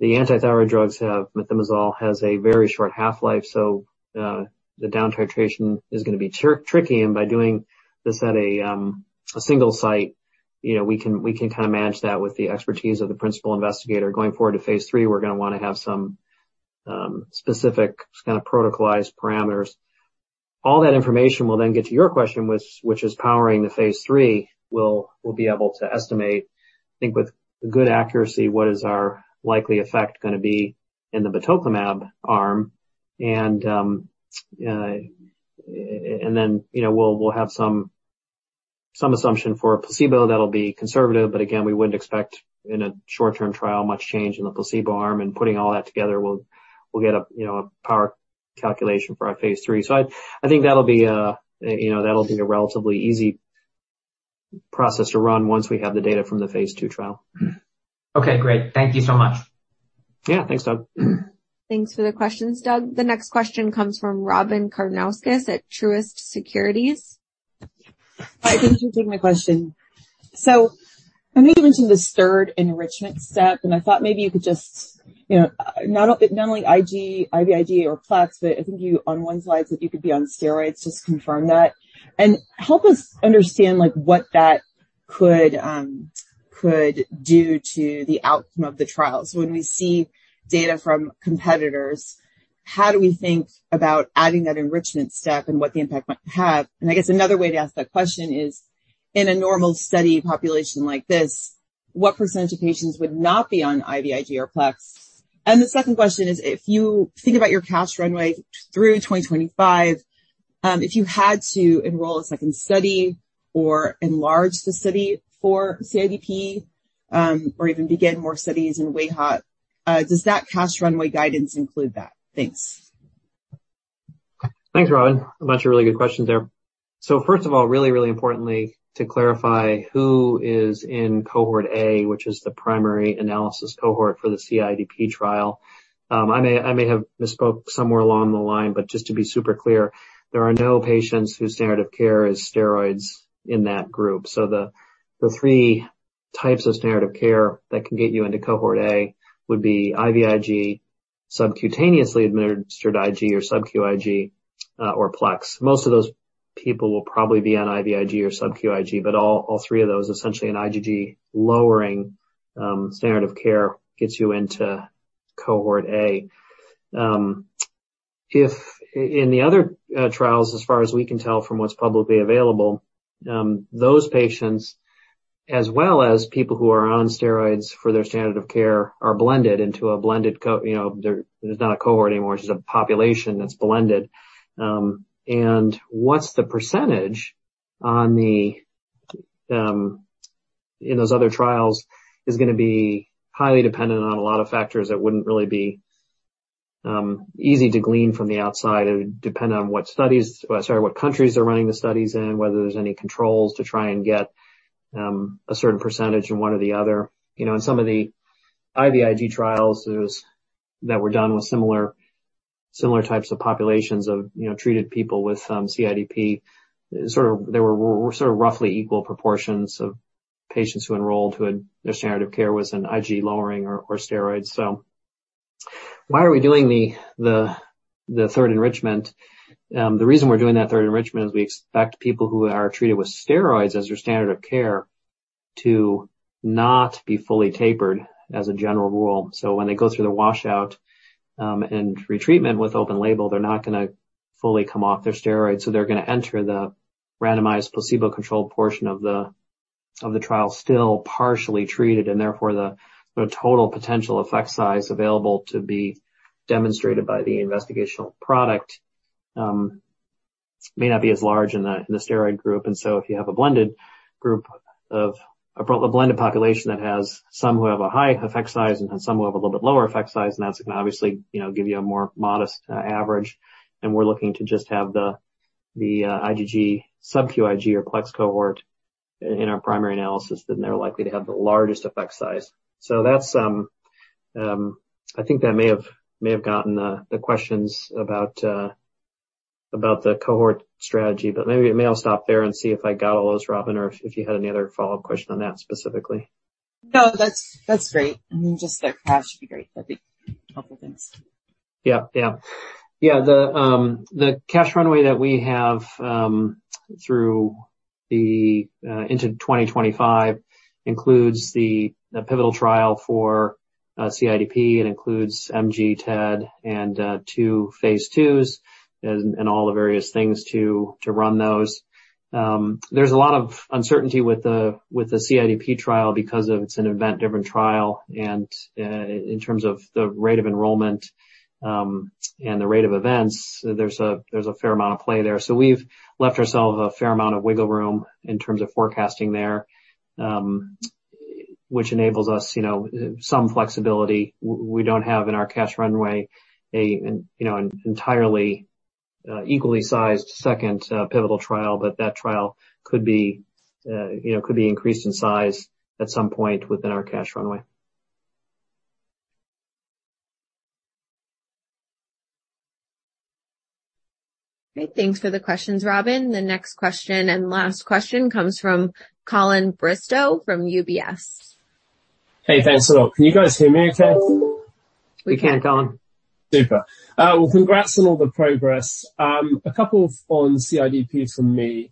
The antithyroid drugs have methimazole, has a very short half-life, so the down titration is gonna be tricky. By doing this at a single site, you know, we can kinda manage that with the expertise of the principal investigator. Going forward to phase III, we're gonna wanna have some specific just kinda protocolized parameters. All that information will then get to your question, which is powering the phase III. We'll be able to estimate, I think with good accuracy what is our likely effect gonna be in the batoclimab arm. Then, you know, we'll have some assumption for a placebo that'll be conservative, but again we wouldn't expect in a short-term trial much change in the placebo arm. Putting all that together, we'll get a, you know, a power calculation for our phase III. I think that'll be a relatively easy process to run once we have the data from the phase II trial. Okay, great. Thank you so much. Yeah. Thanks, Doug. Thanks for the questions, Doug. The next question comes from Robyn Karnauskas at Truist Securities. Hi. Thank you for taking my question. I know you mentioned the standard enrichment step, and I thought maybe you could just, you know, not only IVIG or PLEX, but I think you on one slide said you could be on steroids, just confirm that. Help us understand like what that could do to the outcome of the trial. When we see data from competitors, how do we think about adding that enrichment step and what the impact might have? I guess another way to ask that question is, in a normal study population like this, what percentage of patients would not be on IVIG or PLEX? The second question is, if you think about your cash runway through 2025, if you had to enroll a second study or enlarge the study for CIDP, or even begin more studies in wAIHA, does that cash runway guidance include that? Thanks. Thanks, Robyn. A bunch of really good questions there. First of all, really, really importantly, to clarify who is in cohort A, which is the primary analysis cohort for the CIDP trial. I may have misspoke somewhere along the line, but just to be super clear, there are no patients whose standard of care is steroids in that group. The three types of standard of care that can get you into cohort A would be IVIG, subcutaneously administered IG or subQIG, or PLEX. Most of those people will probably be on IVIG or subQIG, but all three of those, essentially an IgG lowering standard of care gets you into cohort A. If in the other trials, as far as we can tell from what's publicly available, those patients, as well as people who are on steroids for their standard of care, are blended into a blended cohort, you know, it's not a cohort anymore. It's just a population that's blended. What's the percentage on them in those other trials is gonna be highly dependent on a lot of factors that wouldn't really be easy to glean from the outside. It would depend on what countries are running the studies in, whether there's any controls to try and get a certain percentage in one or the other. You know, in some of the IVIG trials that were done with similar types of populations of, you know, treated people with CIDP, there were roughly equal proportions of patients who enrolled who had their standard of care was an IgG lowering or steroids. Why are we doing the third enrichment? The reason we're doing that third enrichment is we expect people who are treated with steroids as their standard of care to not be fully tapered as a general rule. When they go through the washout, and retreatment with open label, they're not gonna fully come off their steroids, so they're gonna enter the randomized placebo-controlled portion of the trial still partially treated, and therefore the total potential effect size available to be demonstrated by the investigational product may not be as large in the steroid group. If you have a blended group of a blended population that has some who have a high effect size and some who have a little bit lower effect size, and that's gonna obviously, you know, give you a more modest average. We're looking to just have the IgG, SCIg or PLEX cohort in our primary analysis, then they're likely to have the largest effect size. That's, I think that may have gotten the questions about the cohort strategy, but maybe I may as well stop there and see if I got all those, Robyn, or if you had any other follow-up question on that specifically. That's great. Just the cash would be great. That'd be helpful, thanks. Yeah. The cash runway that we have through into 2025 includes the pivotal trial for CIDP. It includes MG, TED, and two phase IIs and all the various things to run those. There's a lot of uncertainty with the CIDP trial because it's an event-driven trial, and in terms of the rate of enrollment and the rate of events, there's a fair amount of play there. We've left ourselves a fair amount of wiggle room in terms of forecasting there, which enables us, you know, some flexibility. We don't have in our cash runway an entirely equally sized second pivotal trial, but that trial could be increased in size at some point within our cash runway. Great. Thanks for the questions, Robyn. The next question and last question comes from Colin Bristow from UBS. Hey, thanks a lot. Can you guys hear me okay? We can, Colin. Super. Well, congrats on all the progress. A couple on CIDP from me.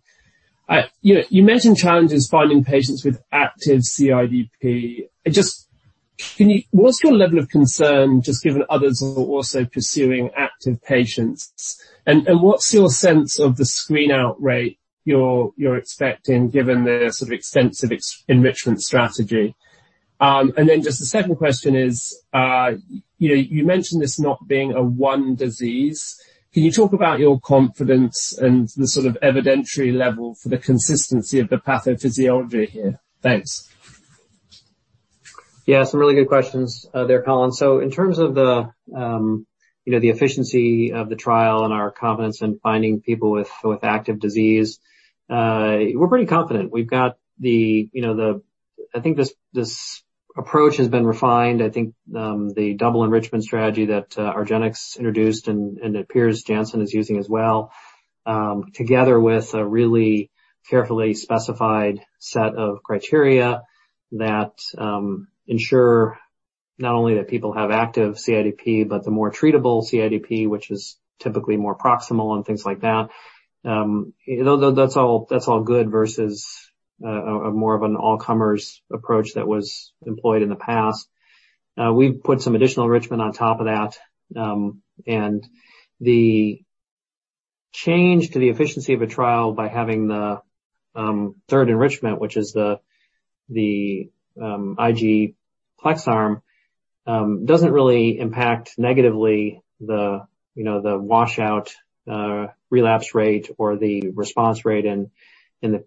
You know, you mentioned challenges finding patients with active CIDP. What's your level of concern just given others are also pursuing active patients? And what's your sense of the screen out rate you're expecting given the sort of extensive enrichment strategy? And then the second question is, you know, you mentioned this not being a one disease. Can you talk about your confidence and the sort of evidentiary level for the consistency of the pathophysiology here? Thanks. Yeah, some really good questions, there, Colin. In terms of the, you know, the efficiency of the trial and our confidence in finding people with active disease, we're pretty confident. We've got the, you know, the. I think this approach has been refined. I think, the double enrichment strategy that, argenx introduced and it appears Janssen is using as well, together with a really carefully specified set of criteria that, ensure not only that people have active CIDP, but the more treatable CIDP, which is typically more proximal and things like that. You know, that's all good versus a more of an all-comers approach that was employed in the past. We've put some additional enrichment on top of that. The change to the efficiency of a trial by having the third enrichment, which is the IVIG PLEX arm, doesn't really impact negatively. You know, the washout relapse rate or the response rate in the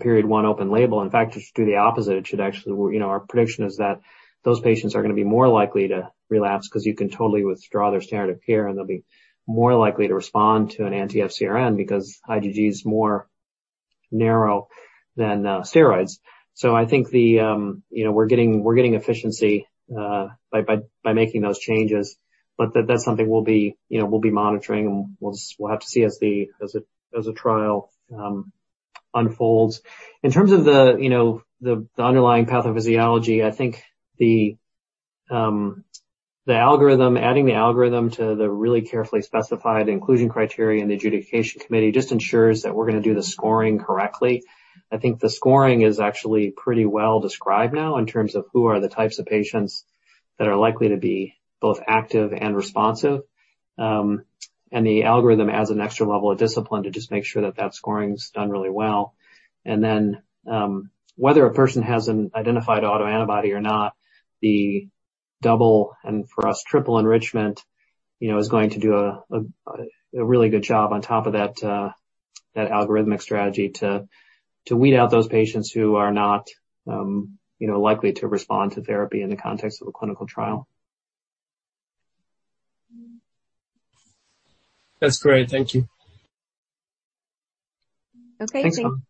Period 1 open-label. In fact, it should do the opposite. It should actually. You know, our prediction is that those patients are gonna be more likely to relapse 'cause you can totally withdraw their standard of care, and they'll be more likely to respond to an anti-FcRn because IgG is more narrow than steroids. I think you know, we're getting efficiency by making those changes. That's something we'll be you know, monitoring. We'll have to see as the trial unfolds. In terms of the underlying pathophysiology, I think the algorithm, adding the algorithm to the really carefully specified inclusion criteria and adjudication committee just ensures that we're gonna do the scoring correctly. I think the scoring is actually pretty well described now in terms of who are the types of patients that are likely to be both active and responsive. The algorithm adds an extra level of discipline to just make sure that scoring's done really well. Whether a person has an identified autoantibody or not, the double, and for us, triple enrichment, you know, is going to do a really good job on top of that algorithmic strategy to weed out those patients who are not likely to respond to therapy in the context of a clinical trial. That's great. Thank you. Okay. Thanks, Colin.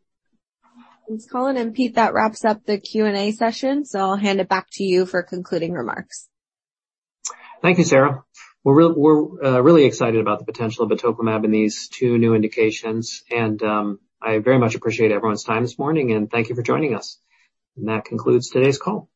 Thanks, Colin. Pete, that wraps up the Q&A session, so I'll hand it back to you for concluding remarks. Thank you, Sarah. We're really excited about the potential of batoclimab in these two new indications, and I very much appreciate everyone's time this morning, and thank you for joining us. That concludes today's call.